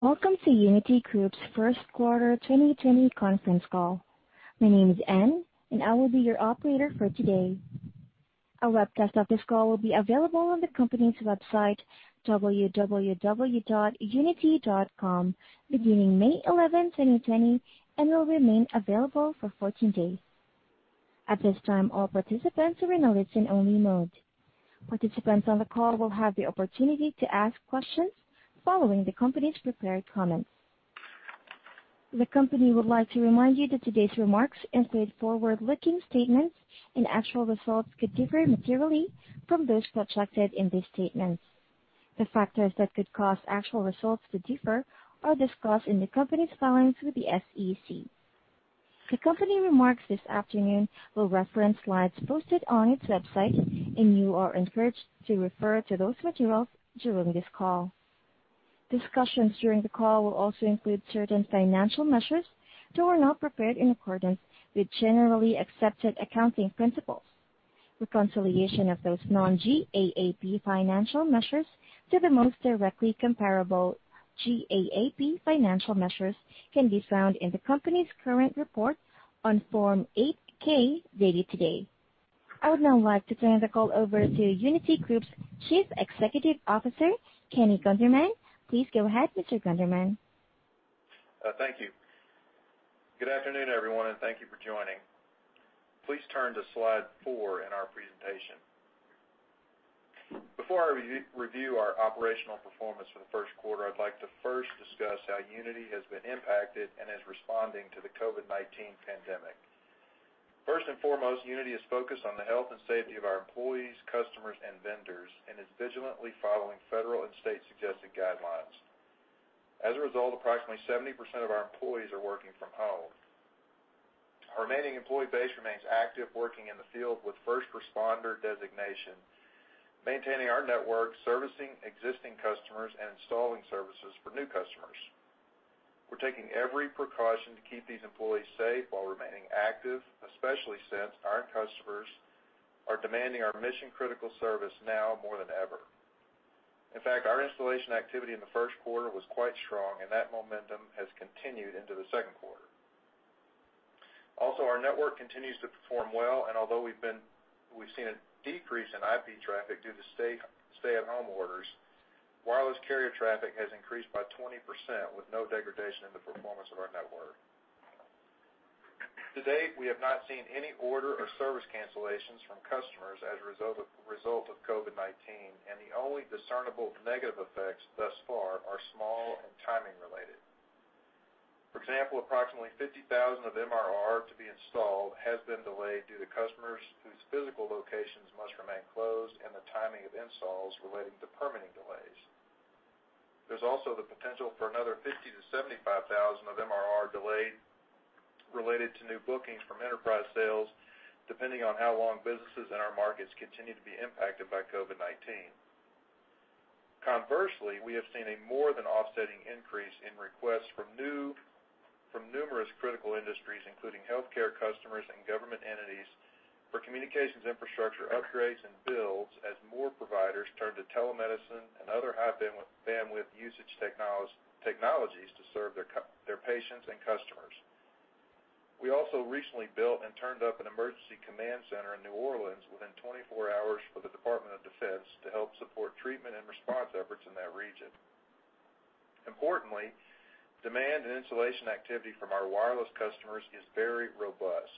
Welcome to Uniti Group's first quarter 2020 conference call. My name is Anne, and I will be your operator for today. A webcast of this call will be available on the company's website, www.uniti.com, beginning May 11, 2020, and will remain available for 14 days. At this time, all participants are in a listen-only mode. Participants on the call will have the opportunity to ask questions following the company's prepared comments. The company would like to remind you that today's remarks include forward-looking statements and actual results could differ materially from those reflected in these statements. The factors that could cause actual results to differ are discussed in the company's filings with the SEC. The company remarks this afternoon will reference slides posted on its website, and you are encouraged to refer to those materials during this call. Discussions during the call will also include certain financial measures that were not prepared in accordance with generally accepted accounting principles. Reconciliation of those non-GAAP financial measures to the most directly comparable GAAP financial measures can be found in the company's current report on Form 8-K, dated today. I would now like to turn the call over to Uniti Group's Chief Executive Officer, Kenny Gunderman. Please go ahead, Mr. Gunderman. Thank you. Good afternoon, everyone, and thank you for joining. Please turn to Slide four in our presentation. Before I review our operational performance for the first quarter, I'd like to first discuss how Uniti has been impacted and is responding to the COVID-19 pandemic. First and foremost, Uniti is focused on the health and safety of our employees, customers, and vendors, and is vigilantly following federal and state suggested guidelines. As a result, approximately 70% of our employees are working from home. Our remaining employee base remains active, working in the field with first responder designation, maintaining our network, servicing existing customers, and installing services for new customers. We're taking every precaution to keep these employees safe while remaining active, especially since our customers are demanding our mission-critical service now more than ever. In fact, our installation activity in the first quarter was quite strong, and that momentum has continued into the second quarter. Also, our network continues to perform well, and although we've seen a decrease in IP traffic due to stay-at-home orders, wireless carrier traffic has increased by 20% with no degradation in the performance of our network. To date, we have not seen any order or service cancellations from customers as a result of COVID-19, and the only discernible negative effects thus far are small and timing related. For example, approximately $50,000 of MRR to be installed has been delayed due to customers whose physical locations must remain closed and the timing of installs relating to permitting delays. There's also the potential for another $50,000-$75,000 of MRR delayed related to new bookings from enterprise sales, depending on how long businesses in our markets continue to be impacted by COVID-19. Conversely, we have seen a more than offsetting increase in requests from numerous critical industries, including healthcare customers and government entities, for communications infrastructure upgrades and builds as more providers turn to telemedicine and other high-bandwidth usage technologies to serve their patients and customers. We also recently built and turned up an emergency command center in New Orleans within 24 hours for the Department of Defense to help support treatment and response efforts in that region. Importantly, demand and installation activity from our wireless customers is very robust,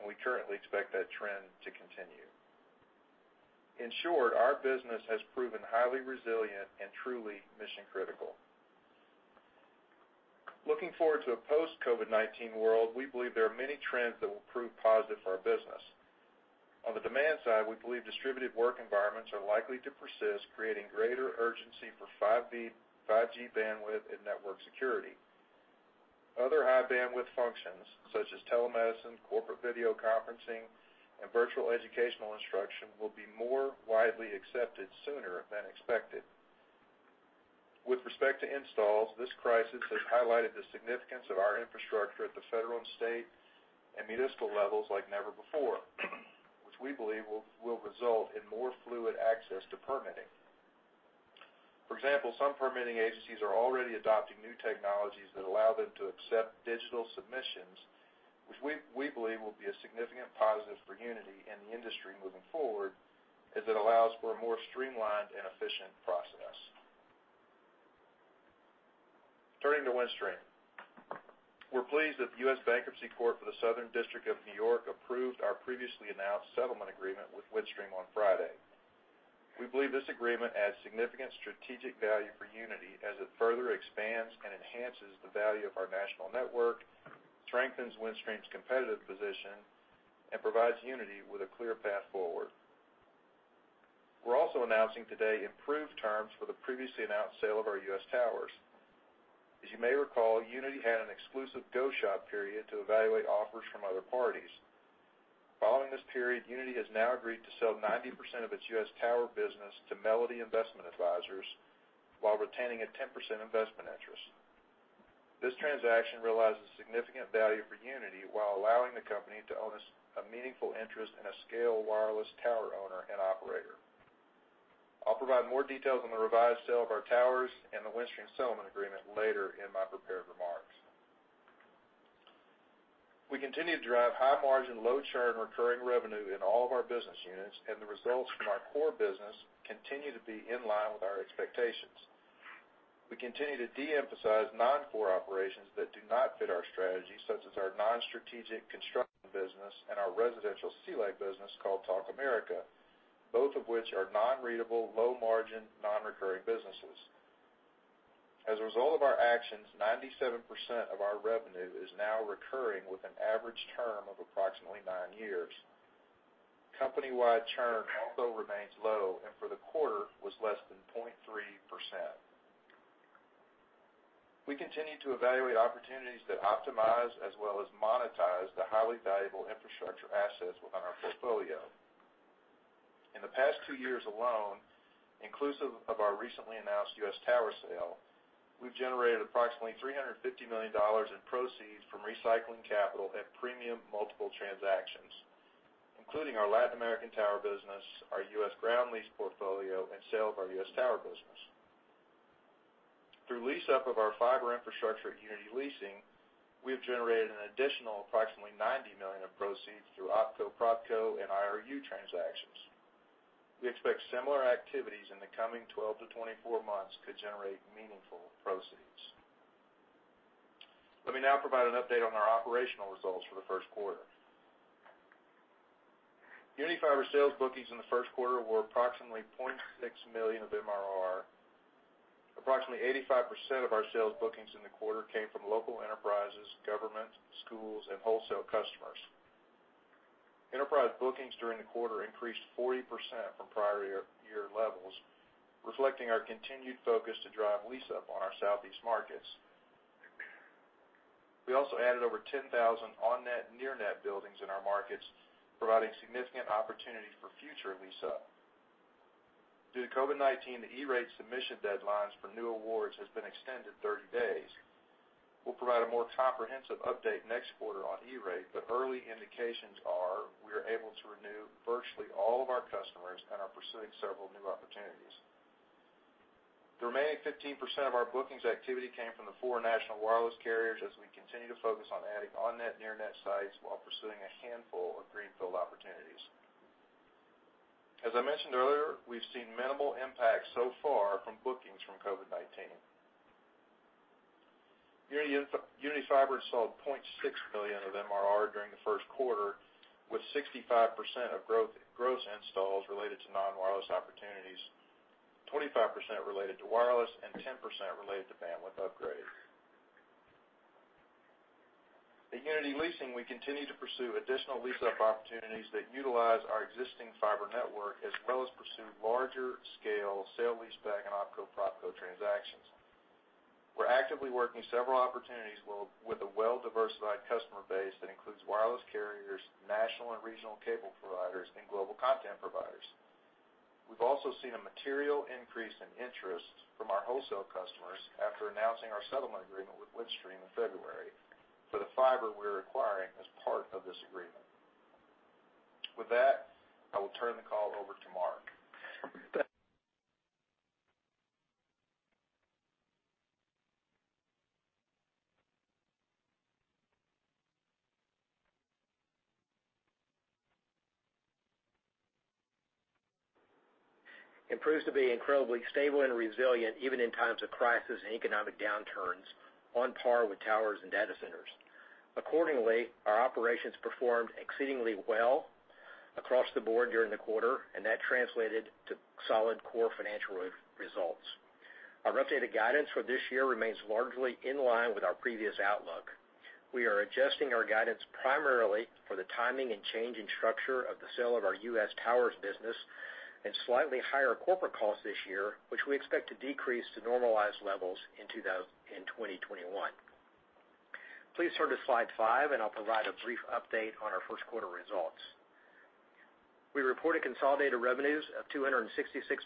and we currently expect that trend to continue. In short, our business has proven highly resilient and truly mission-critical. Looking forward to a post-COVID-19 world, we believe there are many trends that will prove positive for our business. On the demand side, we believe distributed work environments are likely to persist, creating greater urgency for 5G bandwidth and network security. Other high-bandwidth functions, such as telemedicine, corporate video conferencing, and virtual educational instruction, will be more widely accepted sooner than expected. With respect to installs, this crisis has highlighted the significance of our infrastructure at the federal and state and municipal levels like never before, which we believe will result in more fluid access to permitting. For example, some permitting agencies are already adopting new technologies that allow them to accept digital submissions, which we believe will be a significant positive for Uniti and the industry moving forward, as it allows for a more streamlined and efficient process. Turning to Windstream. We're pleased that the U.S. Bankruptcy Court for the Southern District of New York approved our previously announced settlement agreement with Windstream on Friday. We believe this agreement adds significant strategic value for Uniti as it further expands and enhances the value of our national network, strengthens Windstream's competitive position, and provides Uniti with a clear path forward. We're also announcing today improved terms for the previously announced sale of our U.S. towers. As you may recall, Uniti had an exclusive go-shop period to evaluate offers from other parties. Following this period, Uniti has now agreed to sell 90% of its U.S. tower business to Melody Investment Advisors while retaining a 10% investment interest. This transaction realizes significant value for Uniti while allowing the company to own a meaningful interest in a scale wireless tower owner and operator. I'll provide more details on the revised sale of our towers and the Windstream settlement agreement later in my prepared remarks. The results from our core business continue to be in line with our expectations. We continue to drive high margin, low churn recurring revenue in all of our business units. We continue to de-emphasize non-core operations that do not fit our strategy, such as our non-strategic construction business and our residential CLEC business called Talk America, both of which are non-scalable, low margin, non-recurring businesses. As a result of our actions, 97% of our revenue is now recurring with an average term of approximately nine years. Company-wide churn also remains low. For the quarter was less than 0.3%. We continue to evaluate opportunities to optimize as well as monetize the highly valuable infrastructure assets within our portfolio. In the past two years alone, inclusive of our recently announced U.S. tower sale, we've generated approximately $350 million in proceeds from recycling capital at premium multiple transactions, including our Latin American tower business, our U.S. ground lease portfolio, and sale of our U.S. tower business. Through lease-up of our fiber infrastructure at Uniti Leasing, we have generated an additional approximately $90 million of proceeds through opco/propco and IRU transactions. We expect similar activities in the coming 12 months-24 months could generate meaningful proceeds. Let me now provide an update on our operational results for the first quarter. Uniti Fiber sales bookings in the first quarter were approximately $0.6 million of MRR. Approximately 85% of our sales bookings in the quarter came from local enterprises, government, schools, and wholesale customers. Enterprise bookings during the quarter increased 40% from prior year levels, reflecting our continued focus to drive lease-up on our Southeast markets. We also added over 10,000 on-net, near-net buildings in our markets, providing significant opportunities for future lease-up. Due to COVID-19, the E-Rate submission deadlines for new awards has been extended 30 days. We'll provide a more comprehensive update next quarter on E-Rate. Early indications are we are able to renew virtually all of our customers and are pursuing several new opportunities. The remaining 15% of our bookings activity came from the four national wireless carriers as we continue to focus on adding on-net, near-net sites while pursuing a handful of greenfield opportunities. As I mentioned earlier, we've seen minimal impact so far from bookings from COVID-19. Uniti Fiber saw $0.6 million of MRR during the first quarter, with 65% of gross installs related to non-wireless opportunities, 25% related to wireless, and 10% related to bandwidth upgrades. At Uniti Leasing, we continue to pursue additional lease-up opportunities that utilize our existing fiber network, as well as pursue larger scale sale leaseback and opco/propco transactions. We're actively working several opportunities with a well-diversified customer base that includes wireless carriers, national and regional cable providers, and global content providers. We've also seen a material increase in interest from our wholesale customers after announcing our settlement agreement with Windstream in February for the fiber we're acquiring as part of this agreement. With that, I will turn the call over to Mark. It proves to be incredibly stable and resilient even in times of crisis and economic downturns, on par with towers and data centers. Our operations performed exceedingly well across the board during the quarter, and that translated to solid core financial results. Our updated guidance for this year remains largely in line with our previous outlook. We are adjusting our guidance primarily for the timing and change in structure of the sale of our U.S. towers business and slightly higher corporate costs this year, which we expect to decrease to normalized levels in 2021. Please turn to slide five, and I'll provide a brief update on our first quarter results. We reported consolidated revenues of $266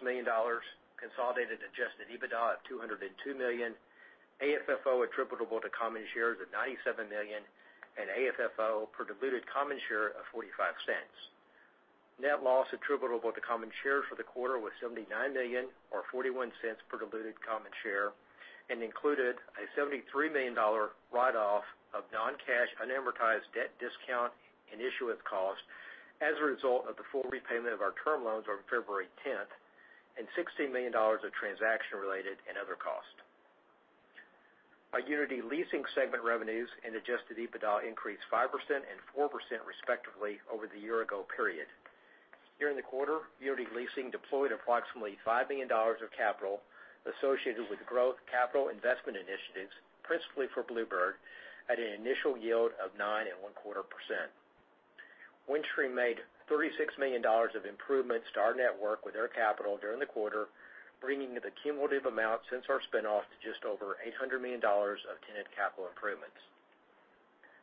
million, consolidated adjusted EBITDA of $202 million, AFFO attributable to common shares of $97 million, and AFFO per diluted common share of $0.45. Net loss attributable to common shares for the quarter was $79 million or $0.41 per diluted common share, and included a $73 million write-off of non-cash unamortized debt discount and issuance cost as a result of the full repayment of our term loans on February 10th, and $16 million of transaction-related and other costs. Our Uniti Leasing segment revenues and adjusted EBITDA increased 5% and 4% respectively over the year ago period. During the quarter, Uniti Leasing deployed approximately $5 million of capital associated with growth capital investment initiatives, principally for Bluebird, at an initial yield of 9.25%. Windstream made $36 million of improvements to our network with their capital during the quarter, bringing the cumulative amount since our spin-off to just over $800 million of tenant capital improvements.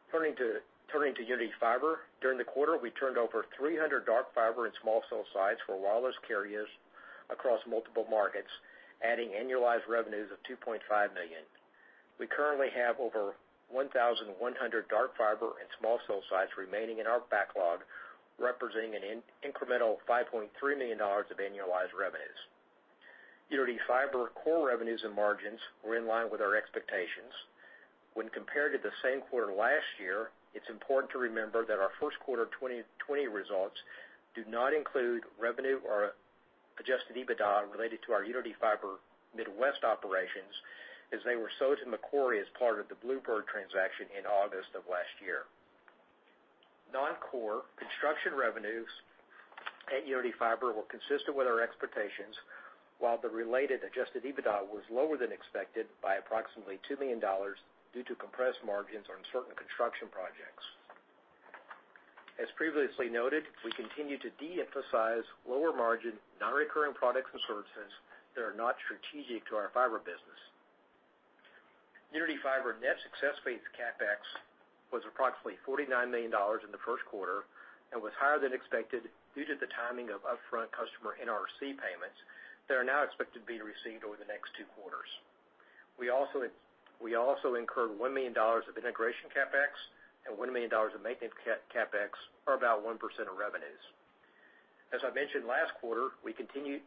Turning to Uniti Fiber, during the quarter, we turned over 300 dark fiber and small cell sites for wireless carriers across multiple markets, adding annualized revenues of $2.5 million. We currently have over 1,100 dark fiber and small cell sites remaining in our backlog, representing an incremental $5.3 million of annualized revenues. Uniti Fiber core revenues and margins were in line with our expectations. When compared to the same quarter last year, it's important to remember that our first quarter 2020 results do not include revenue or adjusted EBITDA related to our Uniti Fiber Midwest operations as they were sold to Macquarie as part of the Bluebird transaction in August of last year. Non-core construction revenues at Uniti Fiber were consistent with our expectations, while the related adjusted EBITDA was lower than expected by approximately $2 million due to compressed margins on certain construction projects. As previously noted, we continue to de-emphasize lower margin, non-recurring products and services that are not strategic to our fiber business. Uniti Fiber net success-based CapEx was approximately $49 million in the first quarter and was higher than expected due to the timing of upfront customer NRC payments that are now expected to be received over the next two quarters. We also incurred $1 million of integration CapEx and $1 million of maintenance CapEx, or about 1% of revenues. As I mentioned last quarter, we continue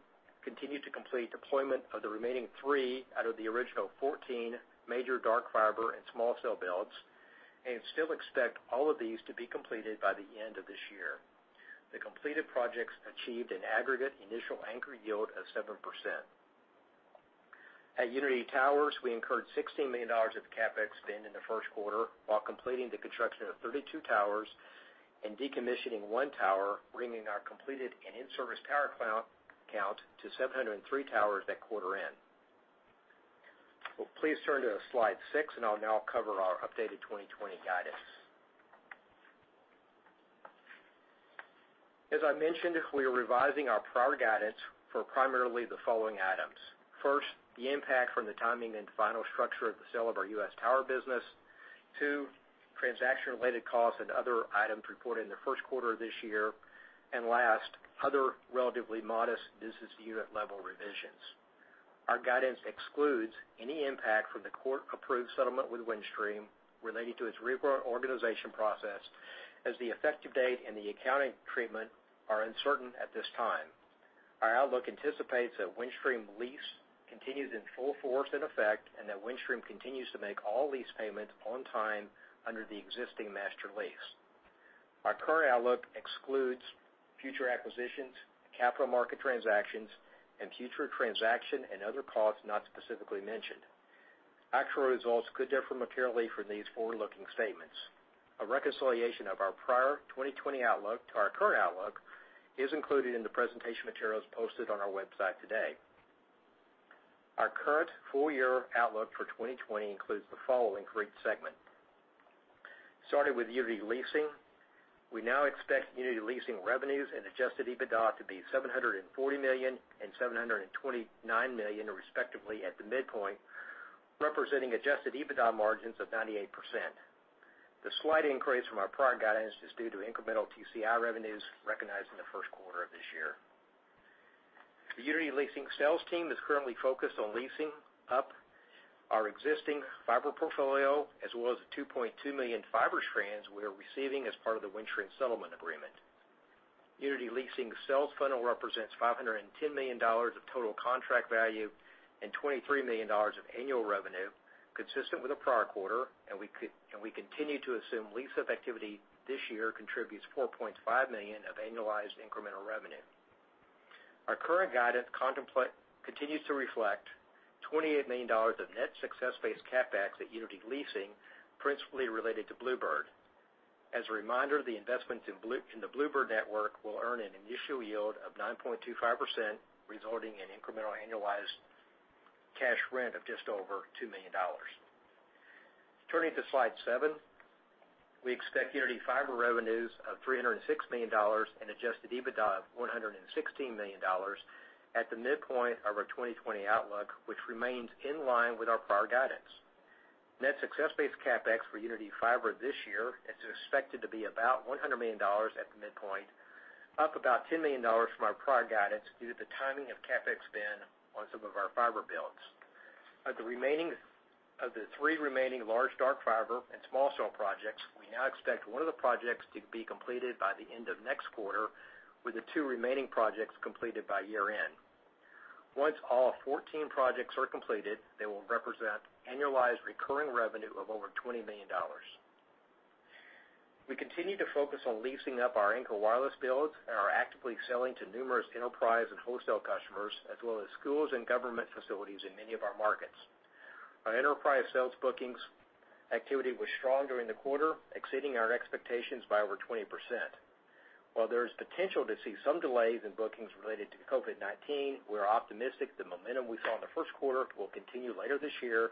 to complete deployment of the remaining three out of the original 14 major dark fiber and small cell builds and still expect all of these to be completed by the end of this year. The completed projects achieved an aggregate initial anchor yield of 7%. At Uniti Towers, we incurred $16 million of CapEx spend in the first quarter while completing the construction of 32 towers and decommissioning one tower, bringing our completed and in-service tower count to 703 towers at quarter end. Please turn to slide six. I'll now cover our updated 2020 guidance. As I mentioned, we are revising our prior guidance for primarily the following items. First, the impact from the timing and final structure of the sale of our U.S. tower business. Two, transaction-related costs and other items reported in the first quarter of this year. Last, other relatively modest business unit level revisions. Our guidance excludes any impact from the court-approved settlement with Windstream relating to its reorganization process, as the effective date and the accounting treatment are uncertain at this time. Our outlook anticipates that Windstream lease continues in full force and effect, and that Windstream continues to make all lease payments on time under the existing master lease. Our current outlook excludes future acquisitions, capital market transactions, and future transaction and other costs not specifically mentioned. Actual results could differ materially from these forward-looking statements. A reconciliation of our prior 2020 outlook to our current outlook is included in the presentation materials posted on our website today. Our current full-year outlook for 2020 includes the following for each segment. Starting with Uniti Leasing, we now expect Uniti Leasing revenues and adjusted EBITDA to be $740 million and $729 million respectively at the midpoint, representing adjusted EBITDA margins of 98%. The slight increase from our prior guidance is due to incremental TCI revenues recognized in the first quarter of this year. The Uniti Leasing sales team is currently focused on leasing up our existing fiber portfolio, as well as the 2.2 million fiber strands we are receiving as part of the Windstream settlement agreement. Uniti Leasing sales funnel represents $510 million of total contract value and $23 million of annual revenue consistent with the prior quarter, and we continue to assume lease-up activity this year contributes $4.5 million of annualized incremental revenue. Our current guidance continues to reflect $28 million of net success-based CapEx at Uniti Leasing, principally related to Bluebird. As a reminder, the investments in the Bluebird Network will earn an initial yield of 9.25%, resulting in incremental annualized cash rent of just over $2 million. Turning to slide seven, we expect Uniti Fiber revenues of $306 million and adjusted EBITDA of $116 million at the midpoint of our 2020 outlook, which remains in line with our prior guidance. Net success-based CapEx for Uniti Fiber this year is expected to be about $100 million at the midpoint, up about $10 million from our prior guidance due to the timing of CapEx spend on some of our fiber builds. Of the three remaining large dark fiber and small cell projects, we now expect one of the projects to be completed by the end of next quarter with the two remaining projects completed by year-end. Once all 14 projects are completed, they will represent annualized recurring revenue of over $20 million. We continue to focus on leasing up our Anchor Wireless builds and are actively selling to numerous enterprise and wholesale customers, as well as schools and government facilities in many of our markets. Our enterprise sales bookings activity was strong during the quarter, exceeding our expectations by over 20%. While there is potential to see some delays in bookings related to COVID-19, we're optimistic the momentum we saw in the first quarter will continue later this year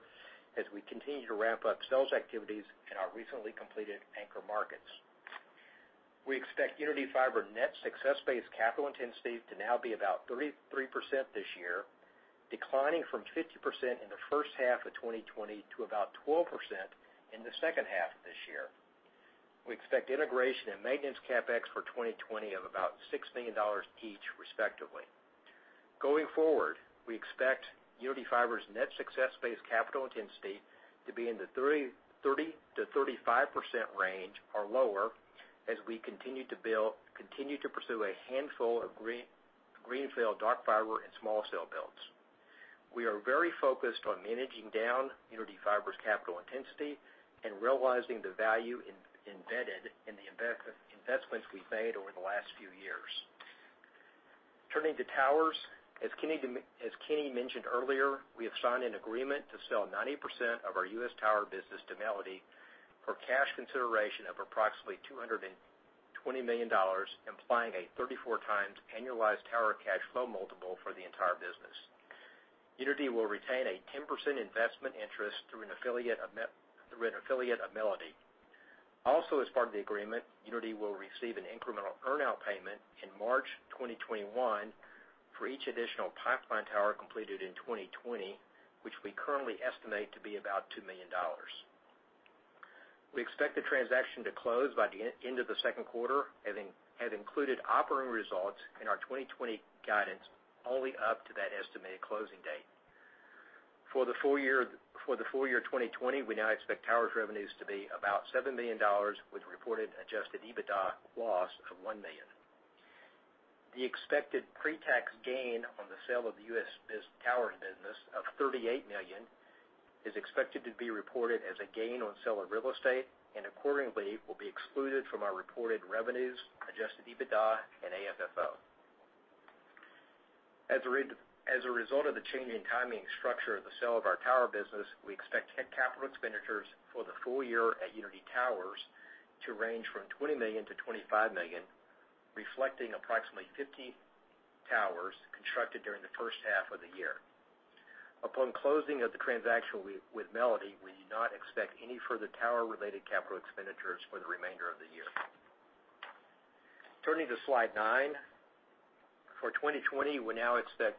as we continue to ramp up sales activities in our recently completed anchor markets. We expect Uniti Fiber net success-based capital intensity to now be about 33% this year, declining from 50% in the first half of 2020 to about 12% in the second half of this year. We expect integration and maintenance CapEx for 2020 of about $6 million each respectively. Going forward, we expect Uniti Fiber's net success-based capital intensity to be in the 30%-35% range or lower as we continue to pursue a handful of greenfield dark fiber and small cell builds. We are very focused on managing down Uniti Fiber's capital intensity and realizing the value embedded in the investments we've made over the last few years. Turning to towers. As Kenny mentioned earlier, we have signed an agreement to sell 90% of our U.S. tower business to Melody for cash consideration of approximately $220 million, implying a 34 times annualized tower cash flow multiple for the entire business. Uniti will retain a 10% investment interest through an affiliate of Melody. As part of the agreement, Uniti will receive an incremental earn-out payment in March 2021 for each additional pipeline tower completed in 2020, which we currently estimate to be about $2 million. We expect the transaction to close by the end of the second quarter, have included operating results in our 2020 guidance only up to that estimated closing date. For the full year 2020, we now expect towers revenues to be about $7 million, with reported adjusted EBITDA loss of $1 million. The expected pre-tax gain on the sale of the U.S. tower business of $38 million is expected to be reported as a gain on sale of real estate and accordingly will be excluded from our reported revenues, adjusted EBITDA and AFFO. As a result of the change in timing and structure of the sale of our tower business, we expect capital expenditures for the full year at Uniti Towers to range from $20 million-$25 million, reflecting approximately 15 towers constructed during the first half of the year. Upon closing of the transaction with Melody, we do not expect any further tower-related capital expenditures for the remainder of the year. Turning to slide nine. For 2020, we now expect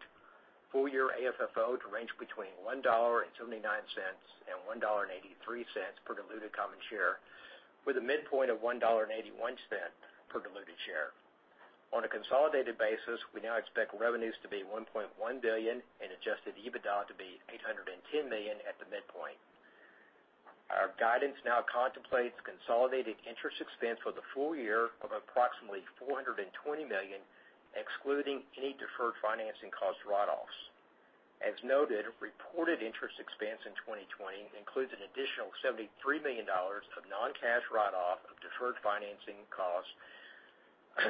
full year AFFO to range between $1.79 and $1.83 per diluted common share with a midpoint of $1.81 per diluted share. On a consolidated basis, we now expect revenues to be $1.1 billion and adjusted EBITDA to be $810 million at the midpoint. Our guidance now contemplates consolidated interest expense for the full year of approximately $420 million, excluding any deferred financing cost write-offs. As noted, reported interest expense in 2020 includes an additional $73 million of non-cash write-off of deferred financing costs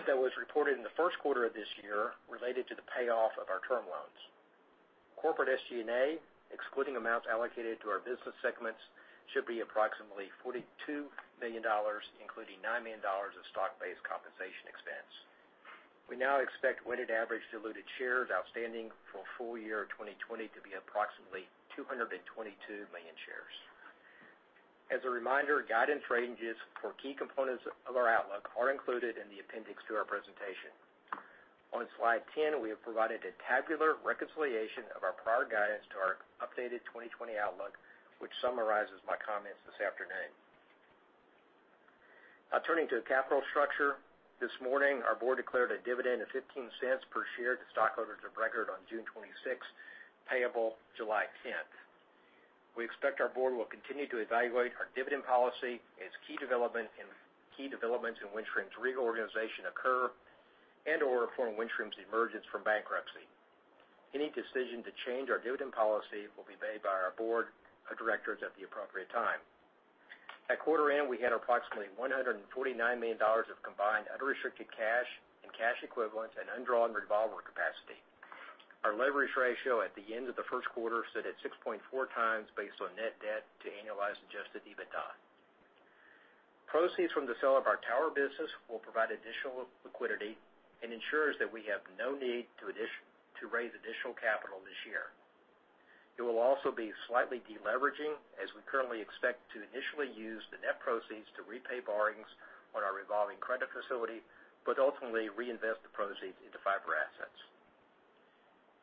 that was reported in the first quarter of this year related to the payoff of our term loans. Corporate SG&A, excluding amounts allocated to our business segments, should be approximately $42 million, including $9 million of stock-based compensation expense. We now expect weighted average diluted shares outstanding for full year 2020 to be approximately 222 million shares. As a reminder, guidance ranges for key components of our outlook are included in the appendix to our presentation. On slide 10, we have provided a tabular reconciliation of our prior guidance to our updated 2020 outlook, which summarizes my comments this afternoon. Now turning to capital structure. This morning, our board declared a dividend of $0.15 per share to stockholders of record on June 26th, payable July 10th. We expect our board will continue to evaluate our dividend policy as key developments in Windstream's reorganization occur and/or upon Windstream's emergence from bankruptcy. Any decision to change our dividend policy will be made by our board of directors at the appropriate time. At quarter end, we had approximately $149 million of combined unrestricted cash and cash equivalents and undrawn revolver capacity. Our leverage ratio at the end of the first quarter stood at 6.4 times based on net debt to annualized adjusted EBITDA. Proceeds from the sale of our tower business will provide additional liquidity and ensures that we have no need to raise additional capital this year. It will also be slightly de-leveraging as we currently expect to initially use the net proceeds to repay borrowings on our revolving credit facility, but ultimately reinvest the proceeds into fiber assets.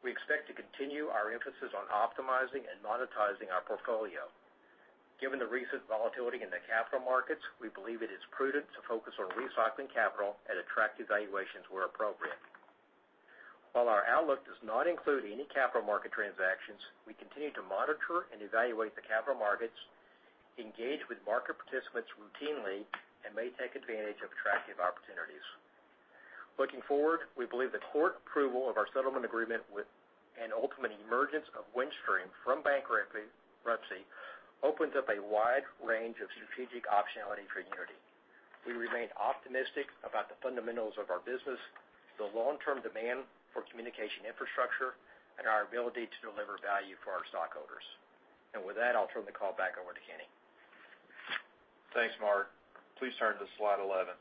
We expect to continue our emphasis on optimizing and monetizing our portfolio. Given the recent volatility in the capital markets, we believe it is prudent to focus on recycling capital at attractive valuations where appropriate. While our outlook does not include any capital market transactions, we continue to monitor and evaluate the capital markets, engage with market participants routinely, and may take advantage of attractive opportunities. Looking forward, we believe the court approval of our settlement agreement and ultimate emergence of Windstream from bankruptcy opens up a wide range of strategic optionality for Uniti. We remain optimistic about the fundamentals of our business, the long-term demand for communication infrastructure, and our ability to deliver value for our stockholders. With that, I'll turn the call back over to Kenny. Thanks, Mark. Please turn to slide 11.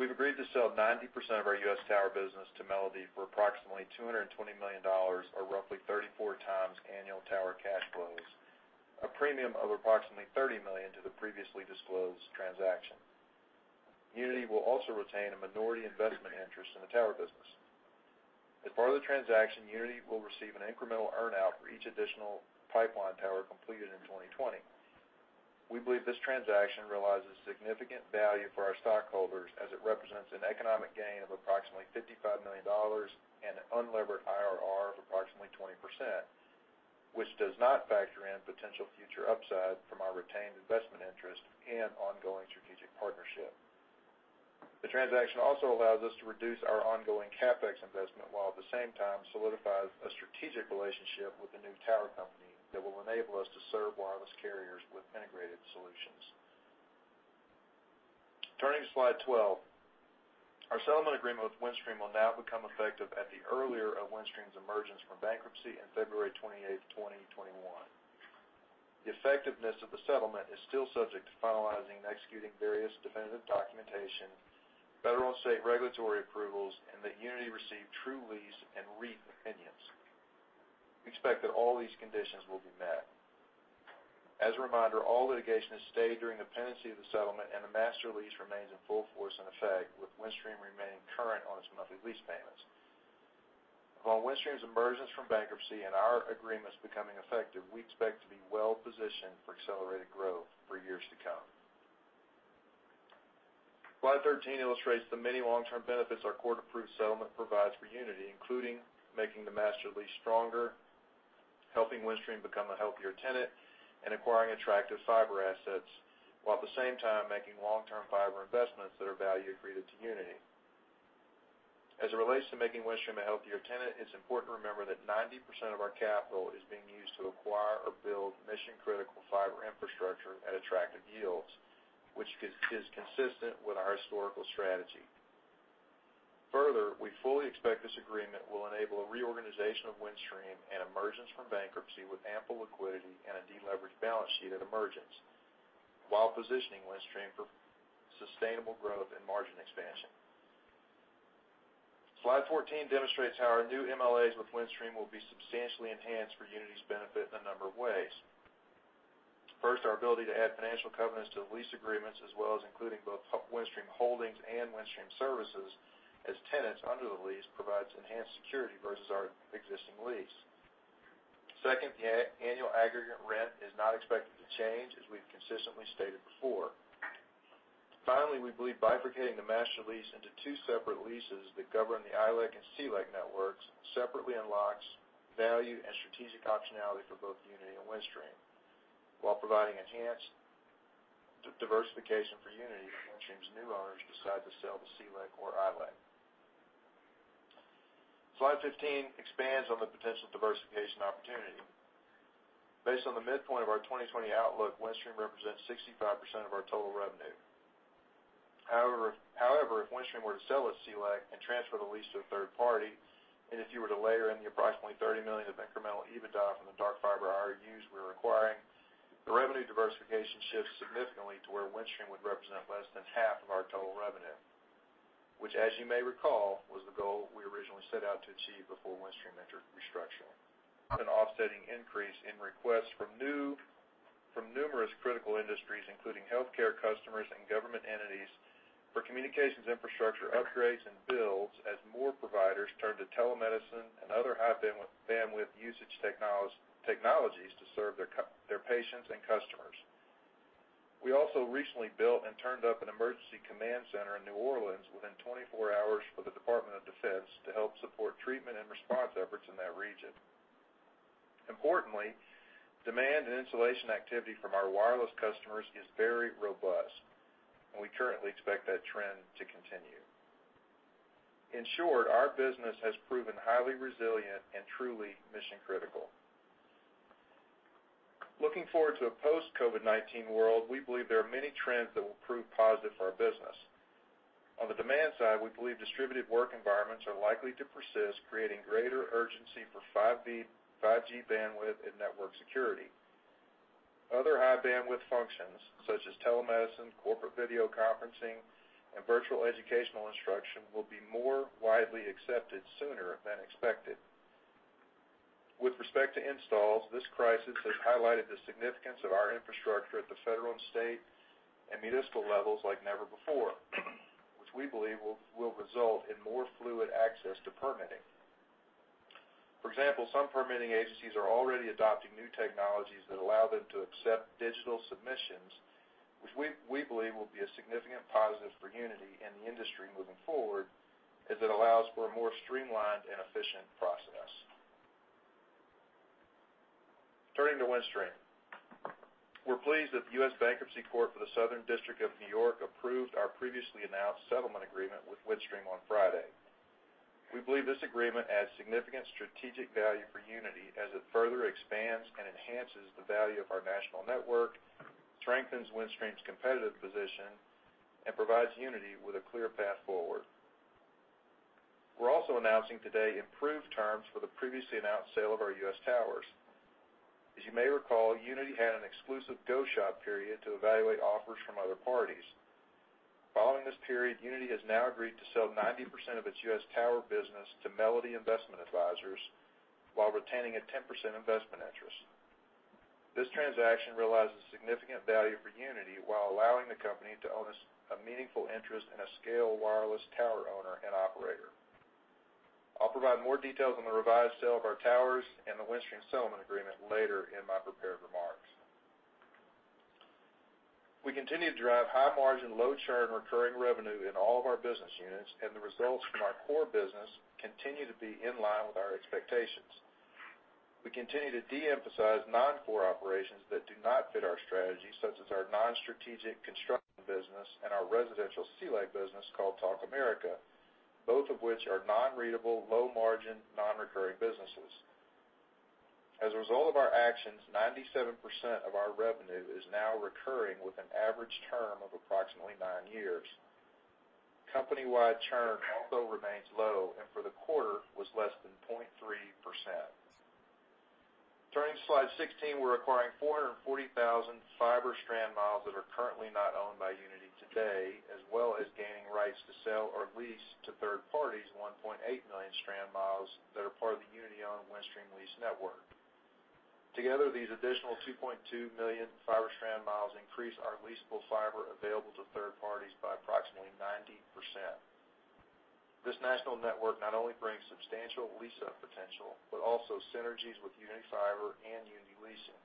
We've agreed to sell 90% of our U.S. tower business to Melody for approximately $220 million or roughly 34 times annual tower cash flows, a premium of approximately $30 million to the previously disclosed transaction. Uniti will also retain a minority investment interest in the tower business. As part of the transaction, Uniti will receive an incremental earn-out for each additional pipeline tower completed in 2020. We believe this transaction realizes significant value for our stockholders as it represents an economic gain of approximately $55 million and an unlevered IRR of approximately 20%, which does not factor in potential future upside from our retained investment interest and ongoing strategic partnership. The transaction also allows us to reduce our ongoing CapEx investment while at the same time solidifies a strategic relationship with the new tower company that will enable us to serve wireless carriers with integrated solutions. Turning to slide 12. Our settlement agreement with Windstream will now become effective at the earlier of Windstream's emergence from bankruptcy in February 28, 2021. The effectiveness of the settlement is still subject to finalizing and executing various definitive documentation, federal and state regulatory approvals, and that Uniti receive true lease and REIT opinions. We expect that all these conditions will be met. As a reminder, all litigation has stayed during the pendency of the settlement, and the master lease remains in full force and effect, with Windstream remaining current on its monthly lease payments. Upon Windstream's emergence from bankruptcy and our agreements becoming effective, we expect to be well-positioned for accelerated growth for years to come. Slide 13 illustrates the many long-term benefits our court-approved settlement provides for Uniti, including making the master lease stronger, helping Windstream become a healthier tenant, and acquiring attractive fiber assets, while at the same time making long-term fiber investments that are value accretive to Uniti. As it relates to making Windstream a healthier tenant, it's important to remember that 90% of our capital is being used to acquire or build mission-critical fiber infrastructure at attractive yields, which is consistent with our historical strategy. Further, we fully expect this agreement will enable a reorganization of Windstream and emergence from bankruptcy with ample liquidity and a de-leveraged balance sheet at emergence while positioning Windstream for sustainable growth and margin expansion. Slide 14 demonstrates how our new MLAs with Windstream will be substantially enhanced for Uniti's benefit in a number of ways. First, our ability to add financial covenants to the lease agreements as well as including both Windstream Holdings and Windstream Services as tenants under the lease provides enhanced security versus our existing lease. Second, the annual aggregate rent is not expected to change as we've consistently stated before. Finally, we believe bifurcating the master lease into two separate leases that govern the ILEC and CLEC networks separately unlocks value and strategic optionality for both Uniti and Windstream while providing enhanced diversification for Uniti if Windstream's new owners decide to sell the CLEC or ILEC. Slide 15 expands on the potential diversification opportunity. Based on the midpoint of our 2020 outlook, Windstream represents 65% of our total revenue. If Windstream were to sell its CLEC and transfer the lease to a third party, and if you were to layer in the approximately $30 million of incremental EBITDA from the dark fiber IRUs we're acquiring, the revenue diversification shifts significantly to where Windstream would represent less than half of our total revenue, which as you may recall, was the goal we originally set out to achieve before Windstream entered restructuring. An offsetting increase in requests from numerous critical industries, including healthcare customers and government entities, for communications infrastructure upgrades and builds as more providers turn to telemedicine and other high-bandwidth usage technologies to serve their patients and customers. We also recently built and turned up an emergency command center in New Orleans within 24 hours for the Department of Defense to help support treatment and response efforts in that region. Importantly, demand and installation activity from our wireless customers is very robust, and we currently expect that trend to continue. In short, our business has proven highly resilient and truly mission-critical. Looking forward to a post-COVID-19 world, we believe there are many trends that will prove positive for our business. On the demand side, we believe distributed work environments are likely to persist, creating greater urgency for 5G bandwidth and network security. Other high-bandwidth functions, such as telemedicine, corporate video conferencing, and virtual educational instruction, will be more widely accepted sooner than expected. With respect to installs, this crisis has highlighted the significance of our infrastructure at the federal, state, and municipal levels like never before, which we believe will result in more fluid access to permitting. For example, some permitting agencies are already adopting new technologies that allow them to accept digital submissions, which we believe will be a significant positive for Uniti and the industry moving forward, as it allows for a more streamlined and efficient process. Turning to Windstream. We're pleased that the U.S. Bankruptcy Court for the Southern District of New York approved our previously announced settlement agreement with Windstream on Friday. We believe this agreement adds significant strategic value for Uniti as it further expands and enhances the value of our national network, strengthens Windstream's competitive position, and provides Uniti with a clear path forward. We're also announcing today improved terms for the previously announced sale of our U.S. towers. As you may recall, Uniti had an exclusive go-shop period to evaluate offers from other parties. Following this period, Uniti has now agreed to sell 90% of its U.S. tower business to Melody Investment Advisors while retaining a 10% investment interest. This transaction realizes significant value for Uniti while allowing the company to own a meaningful interest in a scale wireless tower owner and operator. I'll provide more details on the revised sale of our towers and the Windstream settlement agreement later in my prepared remarks. We continue to drive high margin, low churn recurring revenue in all of our business units, and the results from our core business continue to be in line with our expectations. We continue to de-emphasize non-core operations that do not fit our strategy, such as our non-strategic construction business and our residential CLEC business called Talk America, both of which are non-scalable, low margin, non-recurring businesses. As a result of our actions, 97% of our revenue is now recurring with an average term of approximately nine years. Company-wide churn also remains low, and for the quarter was less than 0.3%. Turning to slide 16, we're acquiring 440,000 fiber strand miles that are currently not owned by Uniti today, as well as gaining rights to sell or lease to third parties 1.8 million strand miles that are part of the Uniti-owned Windstream lease network. Together, these additional 2.2 million fiber strand miles increase our leasable fiber available to third parties by approximately 90%. This national network not only brings substantial lease-up potential, but also synergies with Uniti Fiber and Uniti Leasing.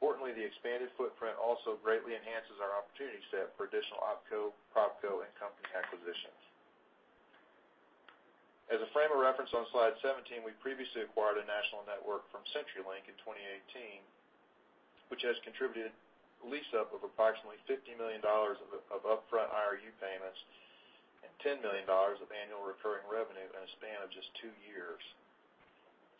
Importantly, the expanded footprint also greatly enhances our opportunity set for additional opco, propco, and company acquisitions. As a frame of reference on Slide 17, we previously acquired a national network from CenturyLink in 2018, which has contributed a lease-up of approximately $50 million of upfront IRU payments and $10 million of annual recurring revenue in a span of just two years.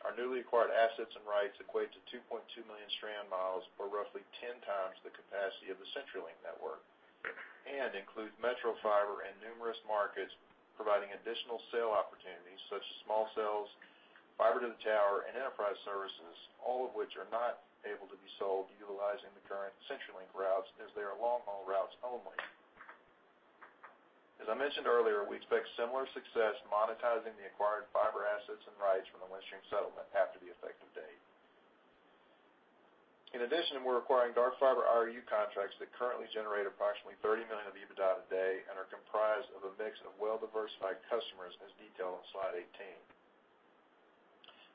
Our newly acquired assets and rights equate to 2.2 million strand miles, or roughly 10 times the capacity of the CenturyLink network, and include metro fiber in numerous markets, providing additional sale opportunities such as small cells, fiber to the tower, and enterprise services, all of which are not able to be sold utilizing the current CenturyLink routes as they are long-haul routes only. As I mentioned earlier, we expect similar success monetizing the acquired fiber assets and rights from the Windstream settlement after the effective date. We're acquiring dark fiber IRU contracts that currently generate approximately $30 million of EBITDA today and are comprised of a mix of well-diversified customers, as detailed on slide 18.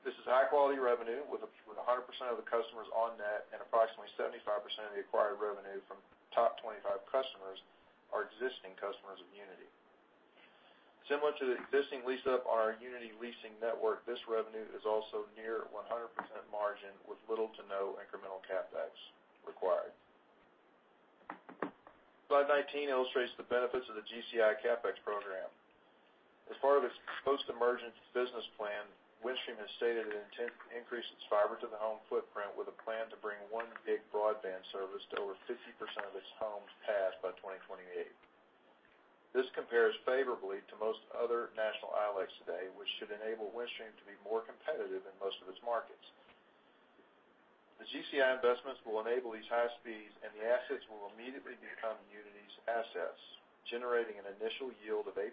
This is high-quality revenue with 100% of the customers on net and approximately 75% of the acquired revenue from top 25 customers are existing customers of Uniti. Similar to the existing lease-up on our Uniti Leasing network, this revenue is also near 100% margin with little to no incremental CapEx required. Slide 19 illustrates the benefits of the GCI CapEx program. As part of its post-emergence business plan, Windstream has stated it intends to increase its fiber to the home footprint with a plan to bring one gig broadband service to over 50% of its homes passed by 2028. This compares favorably to most other national ILECs today, which should enable Windstream to be more competitive in most of its markets. The GCI investments will enable these high speeds, and the assets will immediately become Uniti's assets, generating an initial yield of 8%,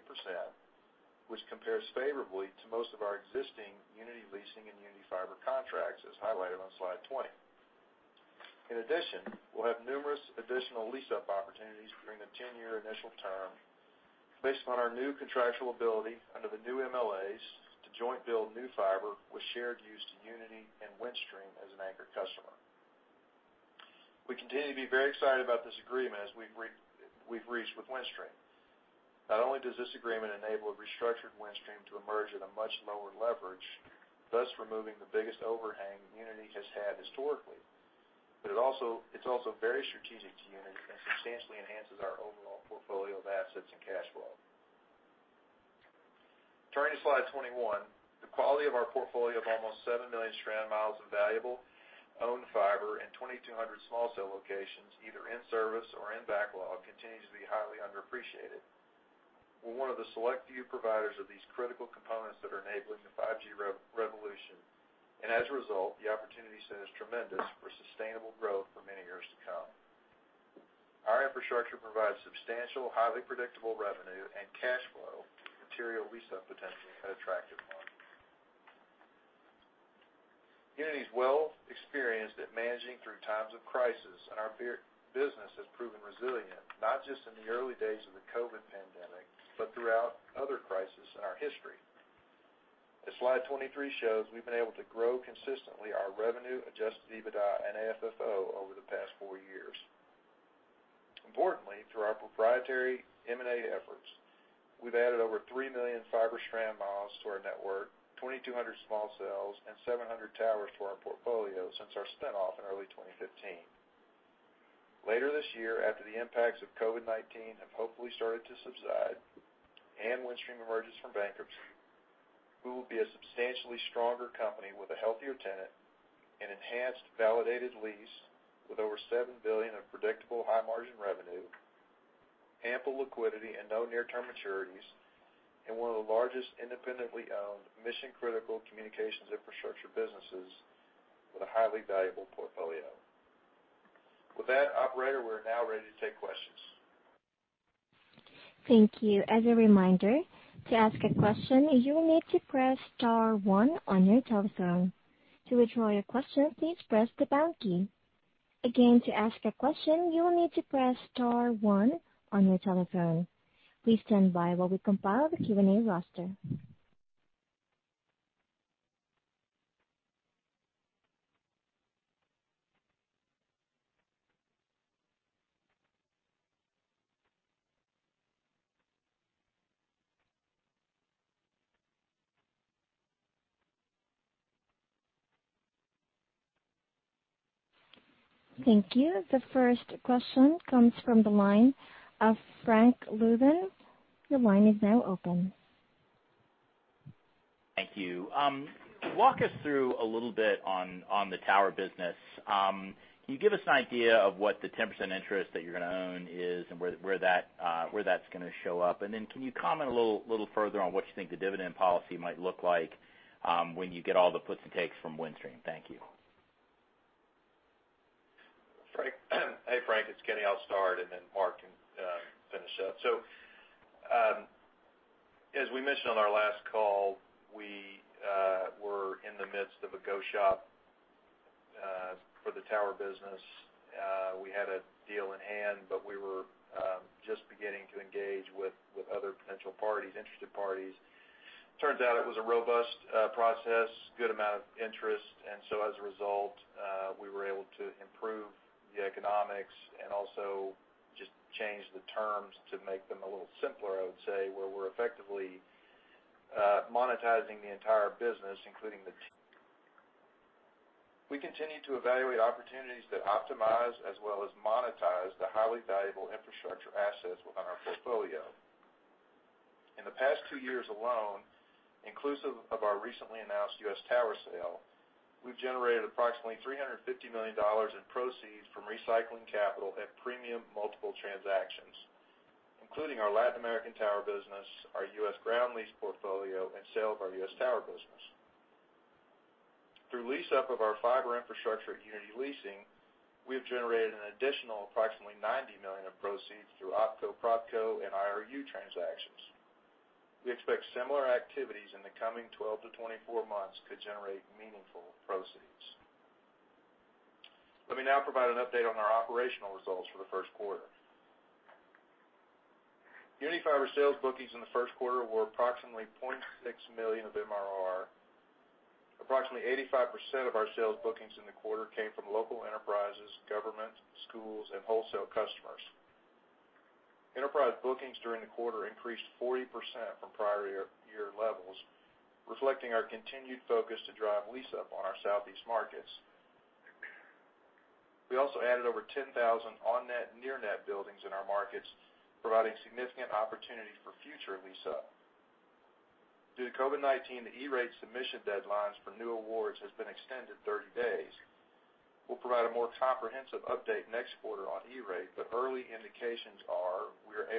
which compares favorably to most of our existing Uniti Leasing and Uniti Fiber contracts, as highlighted on slide 20. In addition, we'll have numerous additional lease-up opportunities during the 10-year initial term based upon our new contractual ability under the new MLAs to joint build new fiber with shared use to Uniti and Windstream as an anchor customer. We continue to be very excited about this agreement as we've reached with Windstream. Not only does this agreement enable a restructured Windstream to emerge at a much lower leverage, thus removing the biggest overhang Uniti has had historically, but it's also very strategic to Uniti and substantially enhances our overall portfolio of assets and cash flow. Turning to slide 21, the quality of our portfolio of almost 7 million strand miles of valuable owned fiber and 2,200 small cell locations, either in service or in backlog, continues to be highly underappreciated. We're one of the select few providers of these critical components that are enabling the 5G revolution, and as a result, the opportunity set is tremendous for sustainable growth for many years to come. Our infrastructure provides substantial, highly predictable revenue and cash flow with material lease-up potential and attractive margins. Uniti is well experienced at managing through times of crisis, and our business has proven resilient, not just in the early days of the COVID pandemic, but throughout other crises in our history. As slide 23 shows, we've been able to grow consistently our revenue, adjusted EBITDA, and AFFO over the past four years. Importantly, through our proprietary M&A efforts, we've added over 3 million fiber strand miles to our network, 2,200 small cells, and 700 towers to our portfolio since our spin-off in early 2015. Later this year, after the impacts of COVID-19 have hopefully started to subside and Windstream emerges from bankruptcy. We will be a substantially stronger company with a healthier tenant, an enhanced, validated lease with over $7 billion of predictable high-margin revenue, ample liquidity and no near-term maturities, and one of the largest independently owned mission-critical communications infrastructure businesses with a highly valuable portfolio. With that, Operator, we're now ready to take questions. Thank you. As a reminder, to ask a question, you will need to press star one on your telephone. To withdraw your question, please press the pound key. Again, to ask a question, you will need to press star one on your telephone. Please stand by while we compile the Q&A roster. Thank you. The first question comes from the line of Frank Louthan. Your line is now open. Thank you. Walk us through a little bit on the tower business. Can you give us an idea of what the 10% interest that you're going to own is and where that's going to show up? Can you comment a little further on what you think the dividend policy might look like when you get all the puts and takes from Windstream? Thank you. Hey, Frank Louthan, it's Kenny. I'll start, and then Mark can finish up. As we mentioned on our last call, we were in the midst of a go shop for the tower business. We had a deal in hand, but we were just beginning to engage with other potential parties, interested parties. Turns out it was a robust process, good amount of interest, and so as a result, we were able to improve the economics and also just change the terms to make them a little simpler, I would say, where we're effectively monetizing the entire business. Great. Thank you. Great. Thanks for taking my questions. I just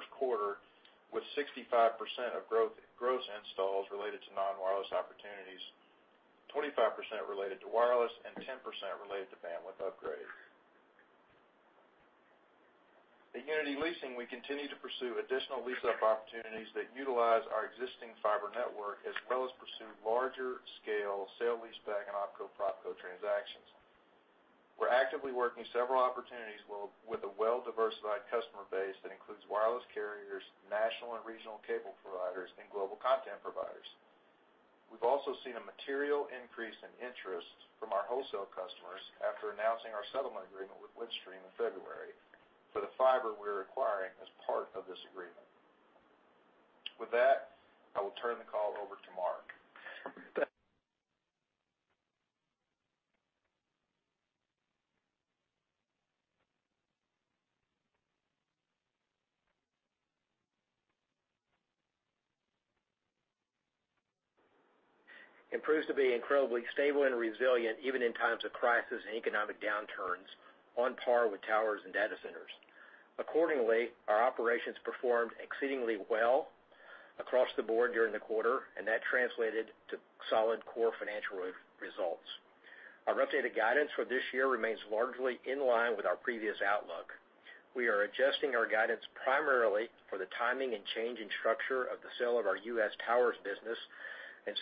wanted to confirm, in your scripted remarks, you said there would be no need to raise additional capital this year. You did say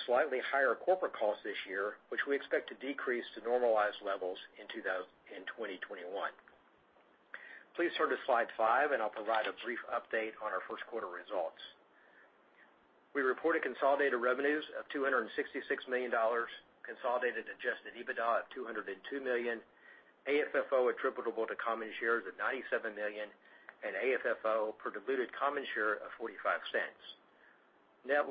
you would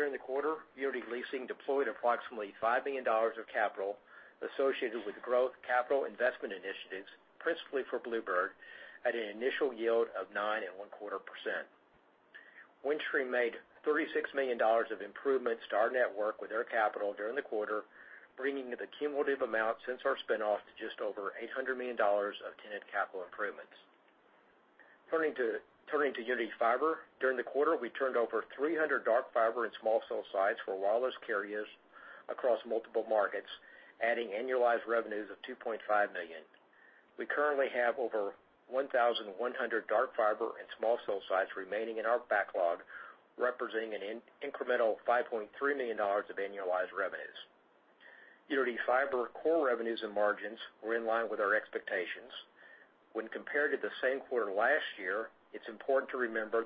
look at recycling capital as you always have.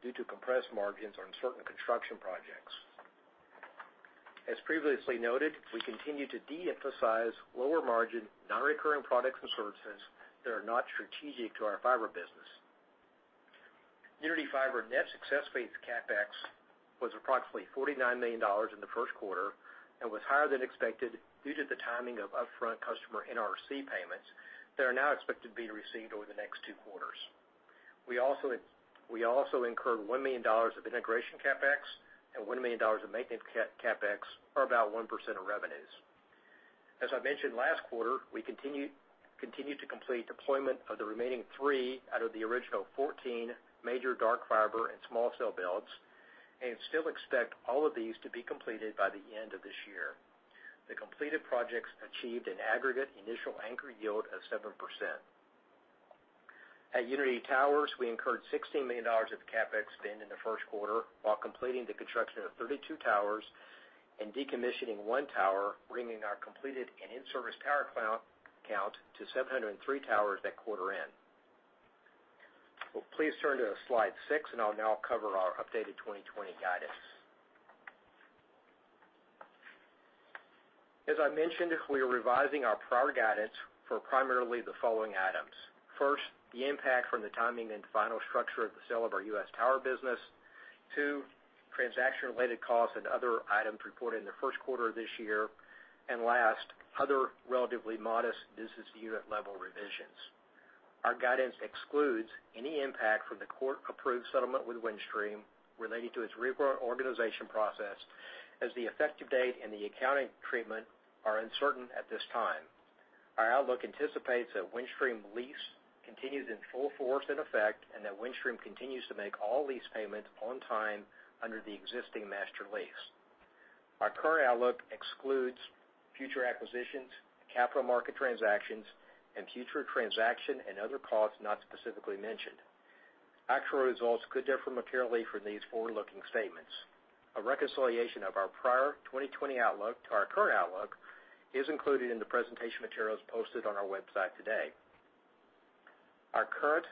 On that question, are you seeing activity in selling possibly your fiber assets, or are buyers at a pause at the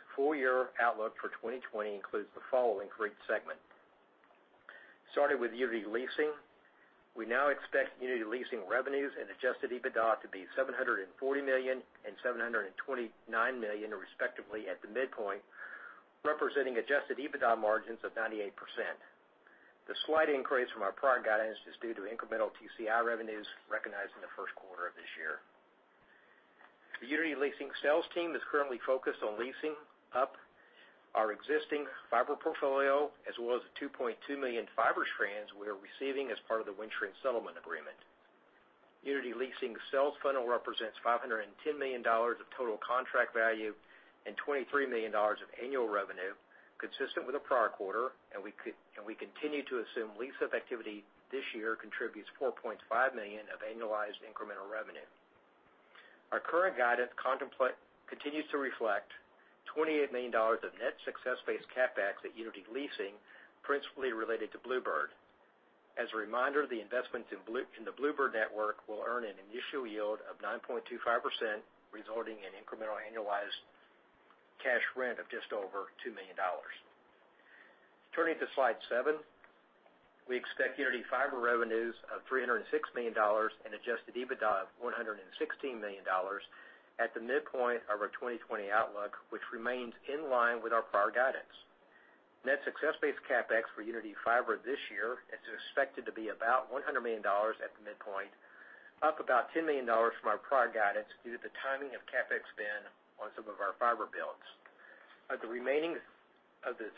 moment?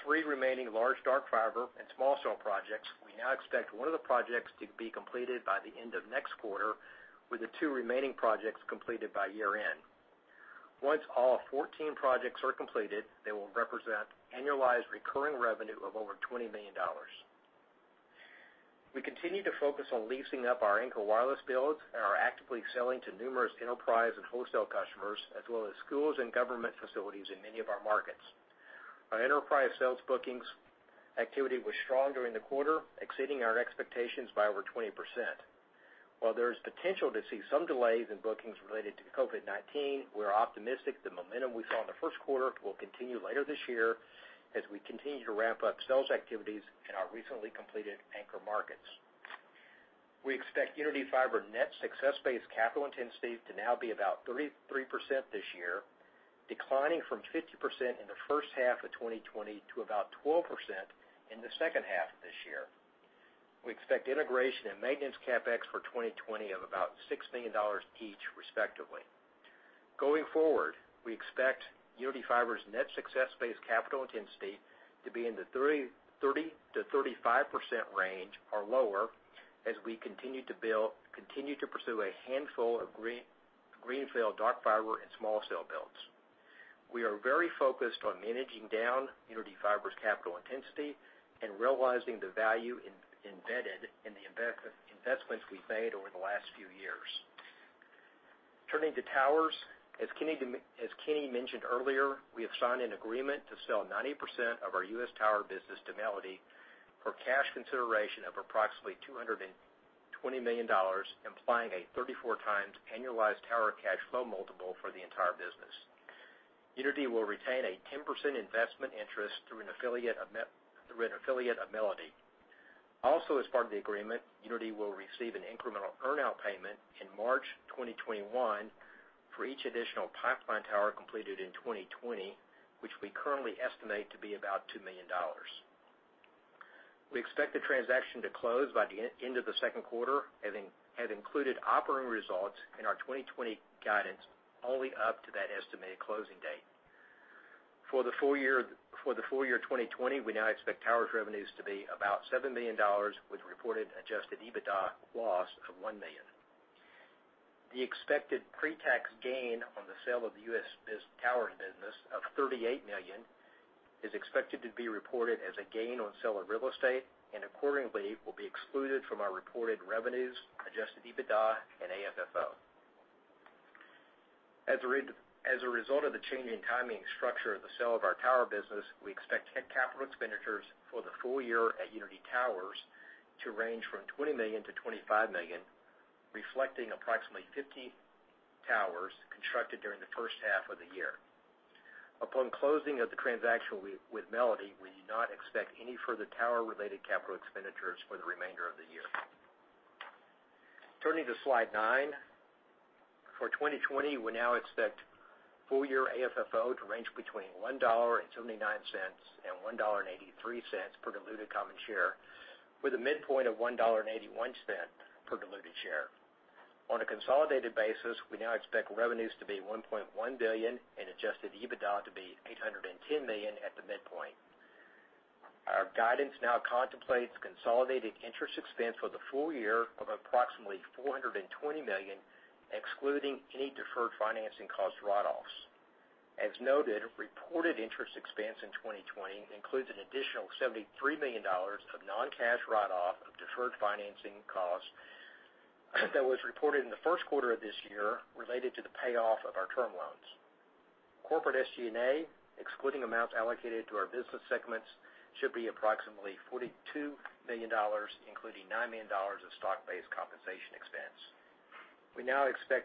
The last question is, from where you sit, when do you anticipate Windstream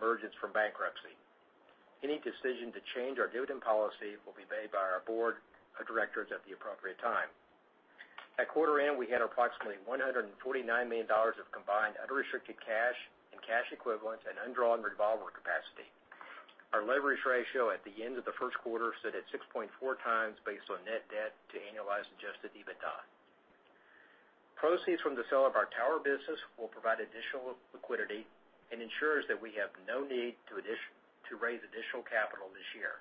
emerges from bankruptcy? What timeframe are you planning for internally? Thanks. Yeah. On your first question, yes, you heard me correctly that given the tower sale, we have no need to raise additional capital this year.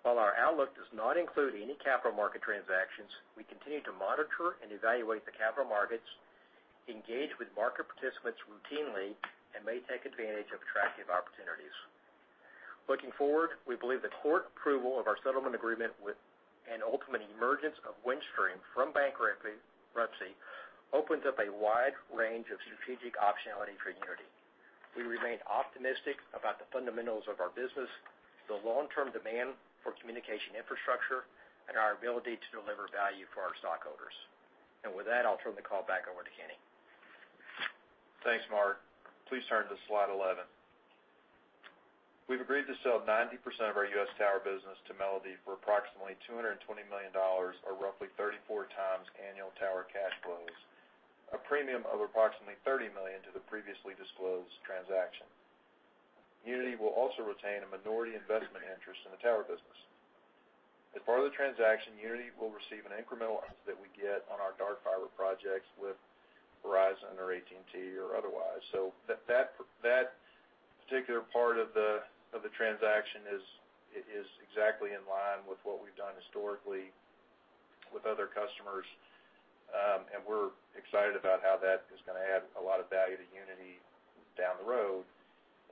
have any requirement to do so. Okay. Thank you. As we think about the potential diversification away from Windstream, any movement in terms of potential sellers or partners with the COVID crisis happening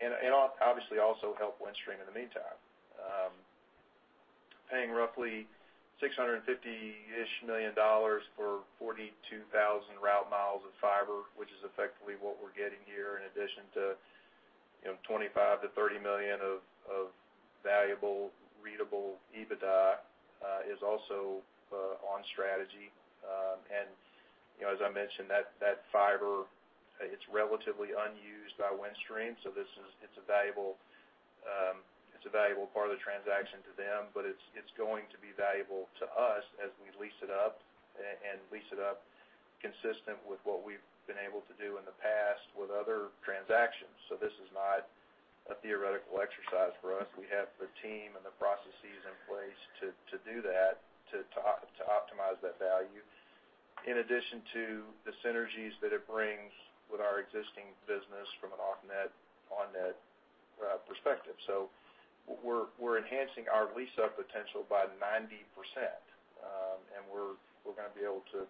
and obviously also help Windstream in the meantime. Paying roughly $650-ish million for 42,000 route miles of fiber, which is effectively what we're getting here, in addition to $25 million-$30 million of valuable, recurring EBITDA, is also on strategy. As I mentioned, that fiber, it's relatively unused by Windstream, so it's a valuable part of the transaction to them. It's going to be valuable to us as we lease it up and lease it up consistent with what we've been able to do in the past with other transactions. This is not a theoretical exercise for us. We have the team and the processes in place to do that, to optimize that value, in addition to the synergies that it brings with our existing business from an off-net, on-net perspective. We're enhancing our lease-up potential by 90%, and we're going to be able to,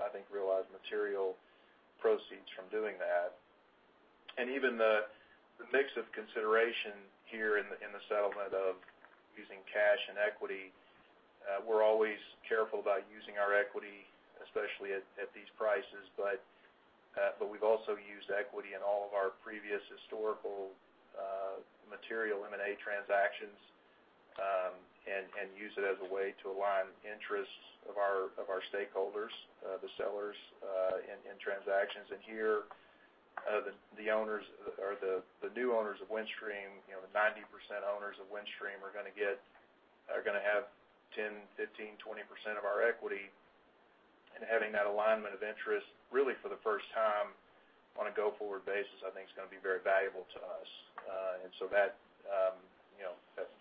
I think, realize material proceeds from doing that. Even the mix of consideration here in the settlement of using cash and equity, we're always careful about using our equity, especially at these prices. We've also used equity in all of our previous historical material M&A transactions and used it as a way to align interests of our stakeholders, the sellers in transactions. Here, the new owners of Windstream, the 90% owners of Windstream are gonna have 10%, 15%, 20% of our equity. Having that alignment of interest really for the first time on a go-forward basis, I think, is gonna be very valuable to us.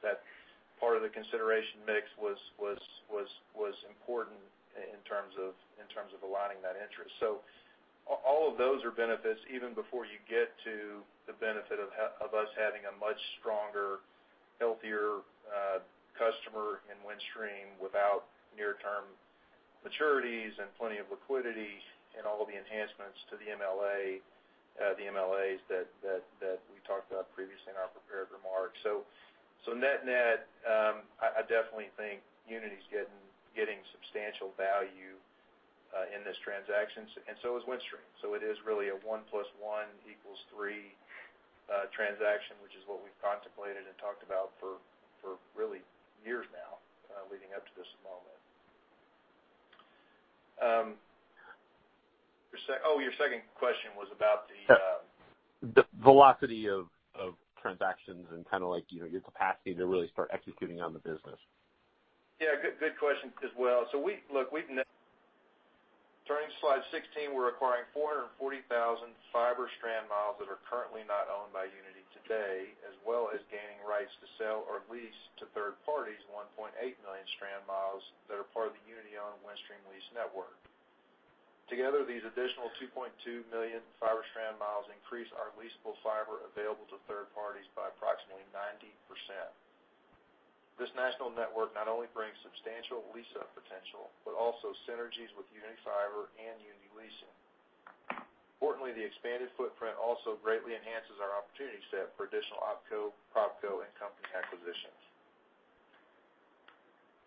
That part of the consideration mix was important in terms of aligning that interest. All of those are benefits even before you get to the benefit of us having a much stronger, healthier customer in Windstream without near-term maturities and plenty of liquidity and all of the enhancements to the MLAs that we talked about previously in our prepared remarks. Net-net, I definitely think Uniti's getting substantial value in this transaction, and so is Windstream. It is really a one plus one equals three transaction, which is what we've contemplated and talked about for really years now leading up to this moment. Your second question was about the- The velocity of transactions and your capacity to really start executing on the business. Yeah, good question as well. Look, we've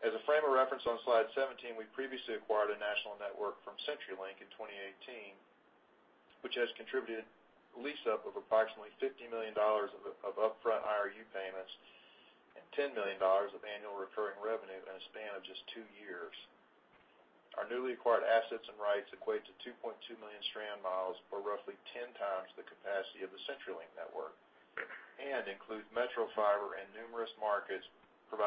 never pressed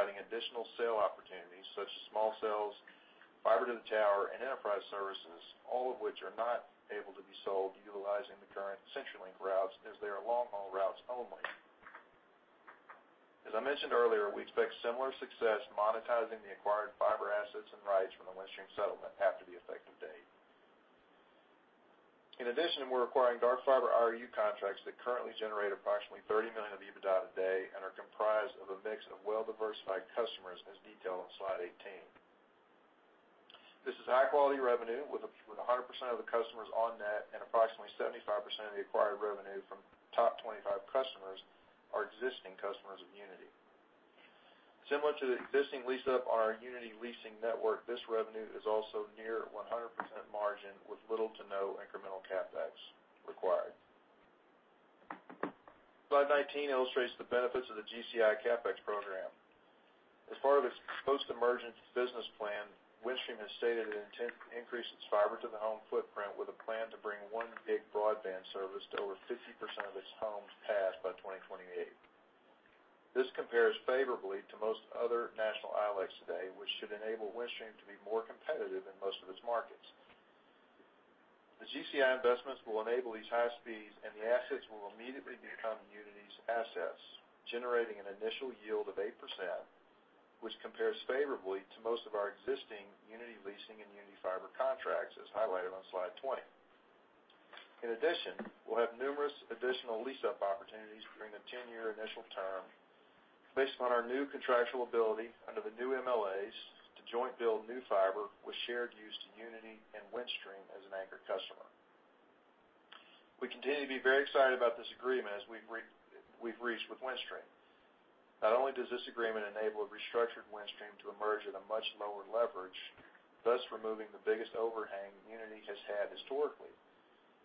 pause on our M&A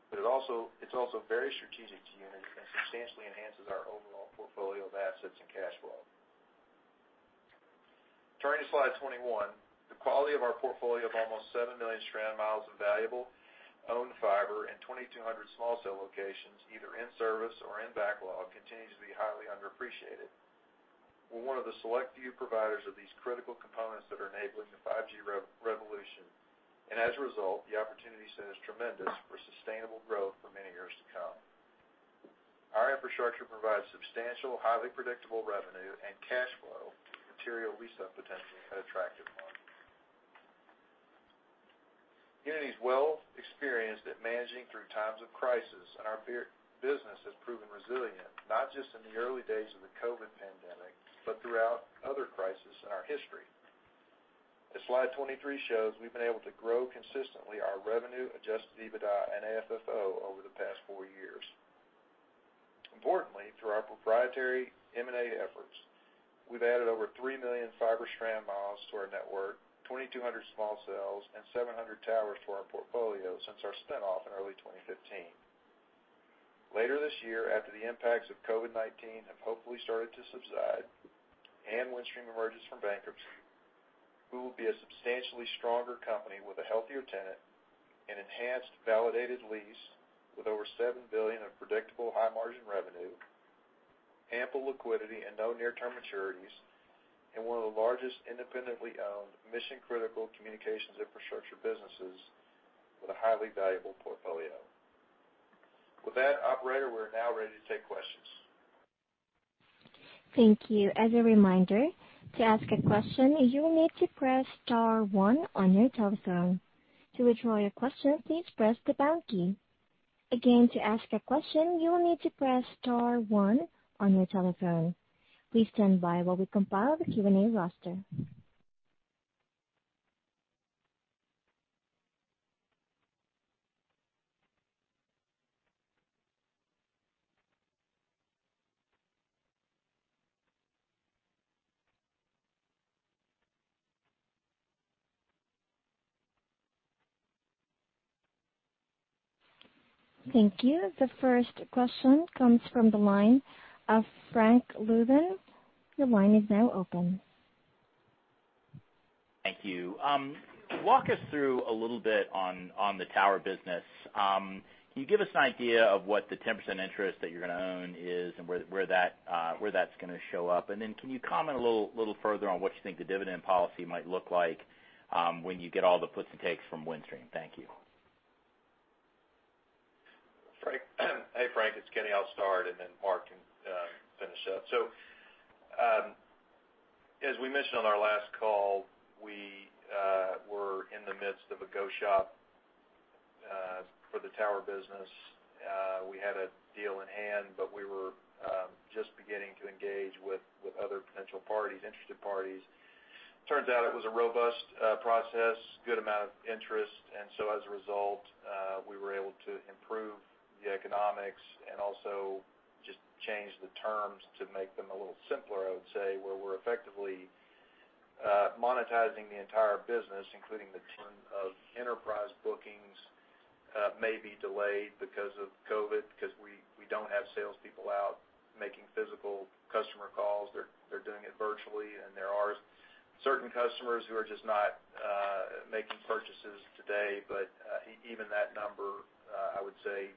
discussions over the past year and a half, two years. We've continued those. We talk about the proprietary funnel all the time, and if you look back over the past couple of years, we've actually done transactions. I think probably the most material one was the Bluebird transaction. There have been other bolt-ons, smaller bolt-ons, both sale lease-backs and M&A, just full-on company acquisitions, which we intentionally lowered the size of the deals we were pursuing because we didn't want to overexpose ourselves to needing to raise capital given all the volatility. We remained very engaged with counterparties. That's one of the reasons it's easy for us to, or easier for us to monetize assets when we need to. It's also one of the things that causes counterparties to continuously call us expressing interest in assets or interest in deal ideas. We're very engaged. I think when the moment comes later this year or early next, when there's a stabilization of our cost of capital, I think we'll be well prepared to re-engage and be more acquisitive both in terms of assets and companies. We're looking forward to that. Good. Great to hear. Thanks, Kenny. Thank you. Our last question comes from the line of Simon Flannery. Your line is now open. Great. Thank you very much. Good evening. On the Uniti Fiber, what are you seeing in terms of COVID impacts? It sounds like the bookings are generally looking good, a couple of delays on E-Rate. What about permitting and zoning? Any big changes to your construction timing on that? On the Windstream GCI program, that was kind of designed prior to the COVID crisis. We have seen some of the wireline peers pulling back on some of their initiatives. How do you think COVID might affect some of the timing of that program or any major changes? Also, how do you think, and how do you work with Windstream around what they might do in the Rural Digital Opportunity Fund auction replacing some of the CAF II? Is that something that you can work with them on, and what are your latest thoughts there? Thanks. Simon, it's Kenny. I'll try to take all of those and keep me honest if I miss them. On Uniti Fiber, yeah, we hit this in our prepared remarks, the short answer is there's been very little effect from COVID, frankly, we had to kind of dig deep to come up with the effects to help put numbers in our script. Essentially about $50,000 of MRR has been delayed from an install perspective, either because customers are not there for us to install or because of permitting delays. I would tell you that that number has actually come down post the end of the first quarter because we're starting to now chip away at that basket. We've, I think, conservatively estimated that roughly $50,000-$75,000 of enterprise bookings may be delayed because of COVID, because we don't have salespeople out making physical customer calls. They're doing it virtually. There are certain customers who are just not making purchases today. Even that number, I would say,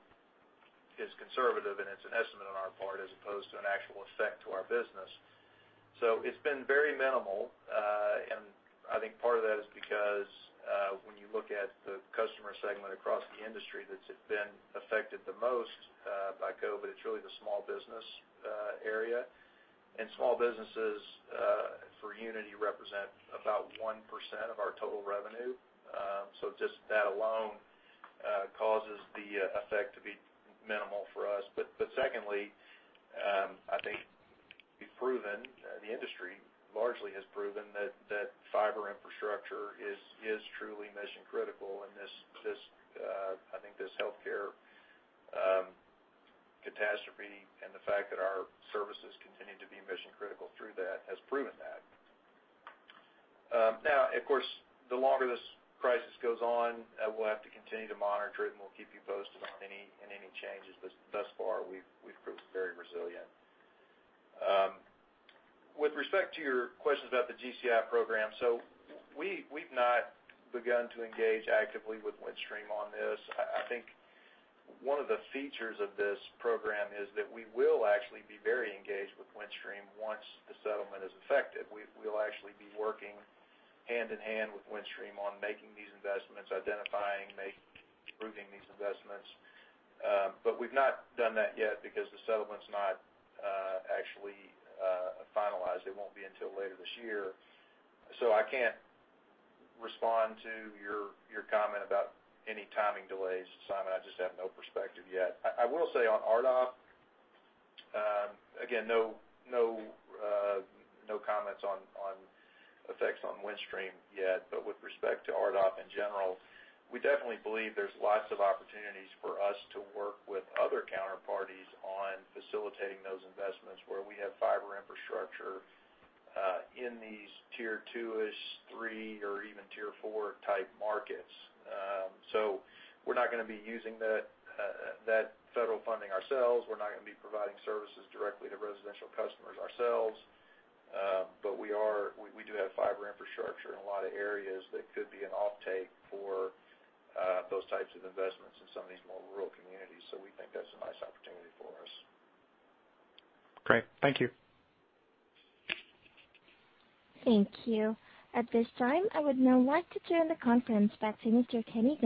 is conservative, and it's an estimate on our part as opposed to an actual effect to our business. It's been very minimal, and I think part of that is because when you look at the customer segment across the industry that's been affected the most by COVID, it's really the small business area, and small businesses for Uniti represent about 1% of our total revenue. Just that alone causes the effect to be minimal for us. Secondly, I think we've proven, the industry largely has proven that fiber infrastructure is truly mission-critical in this, I think, this healthcare catastrophe and the fact that our services continue to be mission-critical through that has proven that. Of course, the longer this crisis goes on, we'll have to continue to monitor it, and we'll keep you posted on any changes. Thus far, we've proved very resilient. With respect to your questions about the GCI program, we've not begun to engage actively with Windstream on this. I think one of the features of this program is that we will actually be very engaged with Windstream once the settlement is effective. We'll actually be working hand-in-hand with Windstream on making these investments, identifying, making, approving these investments. We've not done that yet because the settlement's not actually finalized. It won't be until later this year. I can't respond to your comment about any timing delays, Simon. I just have no perspective yet. I will say on RDOF, again, no comments on effects on Windstream yet, but with respect to RDOF in general, we definitely believe there's lots of opportunities for us to work with other counterparties on facilitating those investments where we have fiber infrastructure in these tier 2-ish, 3, or even tier 4 type markets. We're not going to be using that federal funding ourselves. We're not going to be providing services directly to residential customers ourselves. We do have fiber infrastructure in a lot of areas that could be an offtake for those types of investments in some of these more rural communities. We think that's a nice opportunity for us. Great. Thank you. Thank you. At this time, I would now like to turn the conference back to Mr. Kenny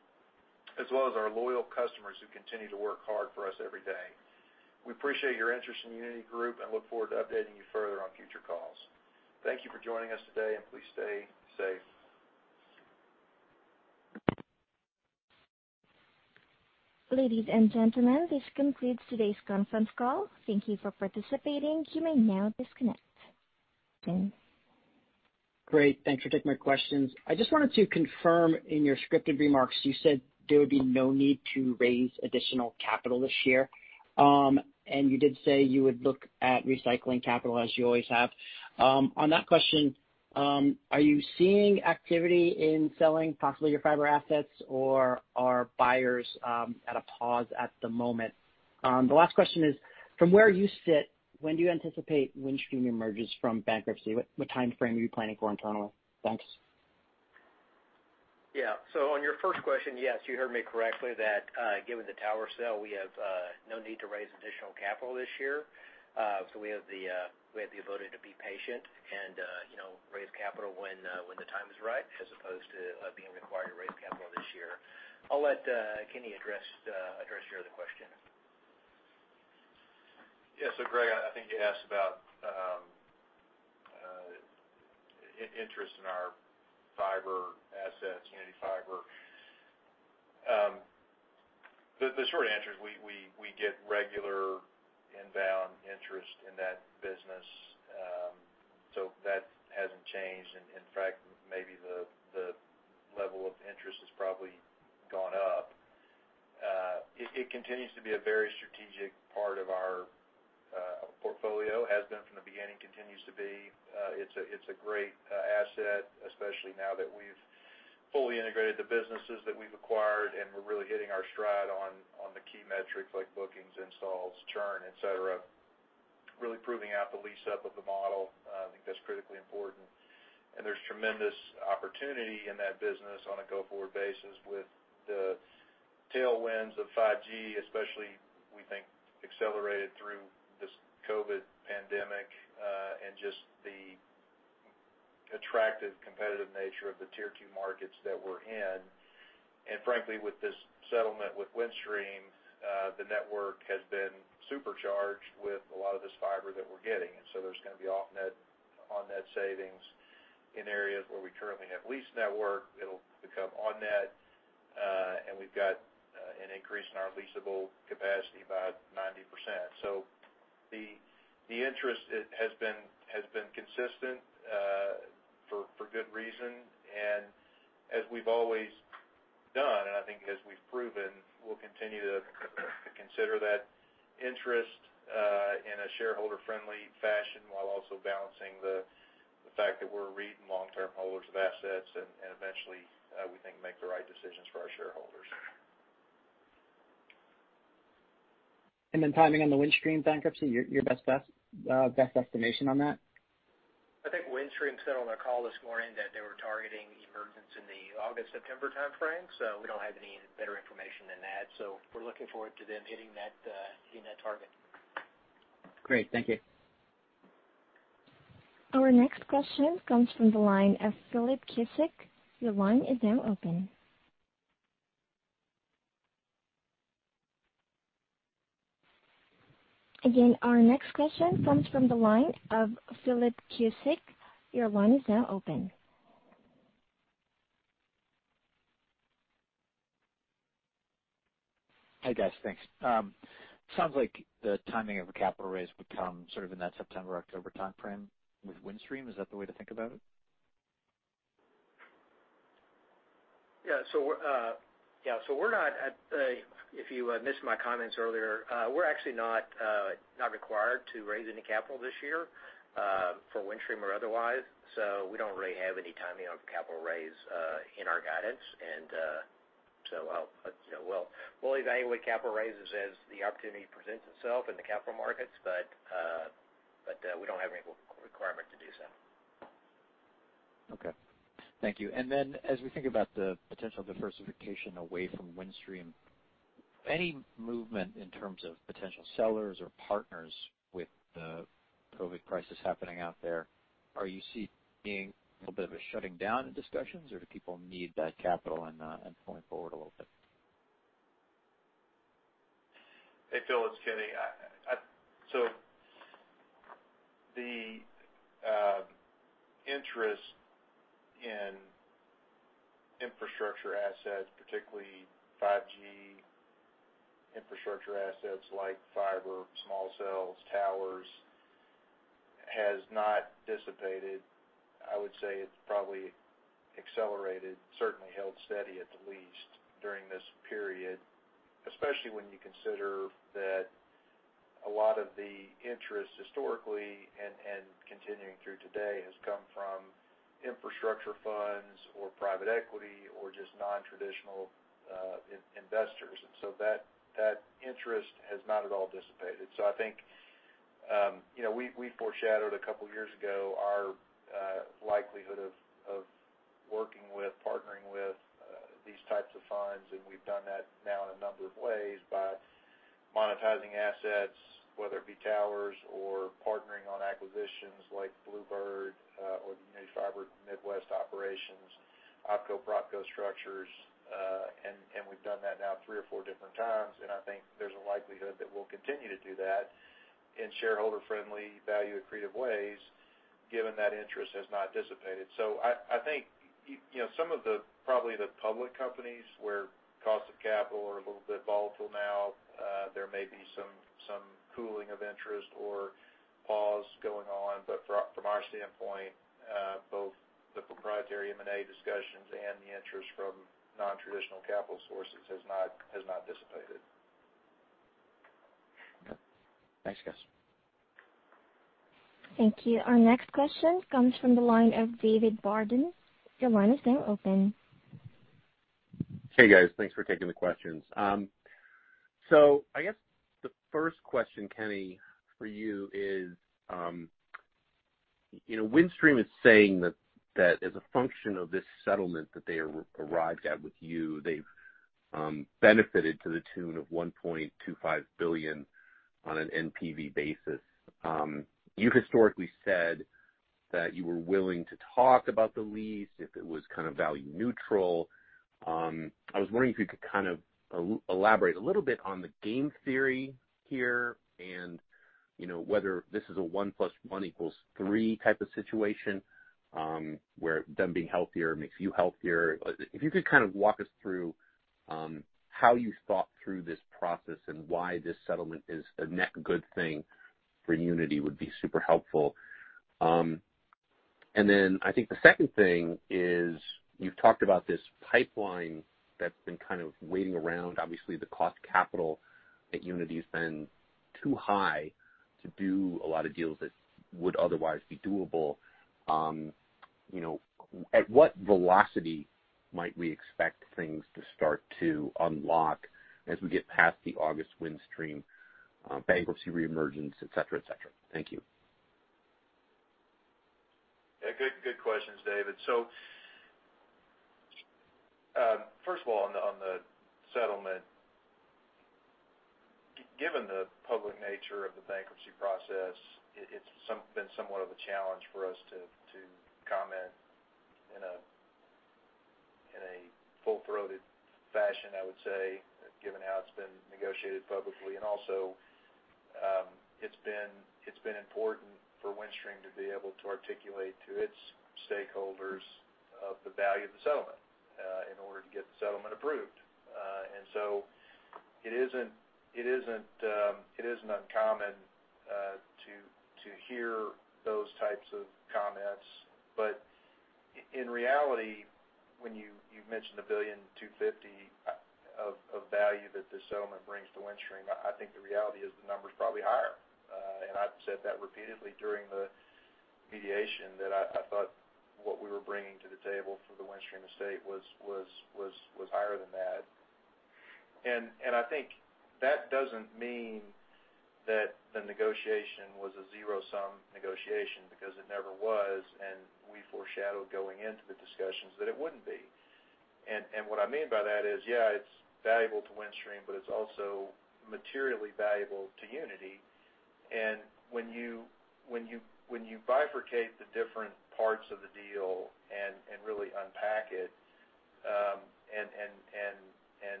Gunderman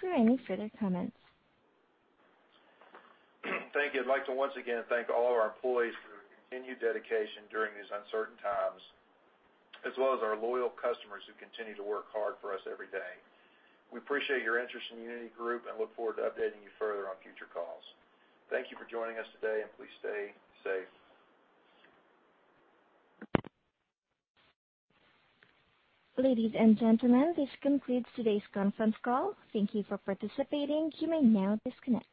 for any further comments. Thank you. I'd like to once again thank all of our employees for their continued dedication during these uncertain times, as well as our loyal customers who continue to work hard for us every day. We appreciate your interest in Uniti Group and look forward to updating you further on future calls. Thank you for joining us today, and please stay safe. Ladies and gentlemen, this concludes today's conference call. Thank you for participating. You may now disconnect.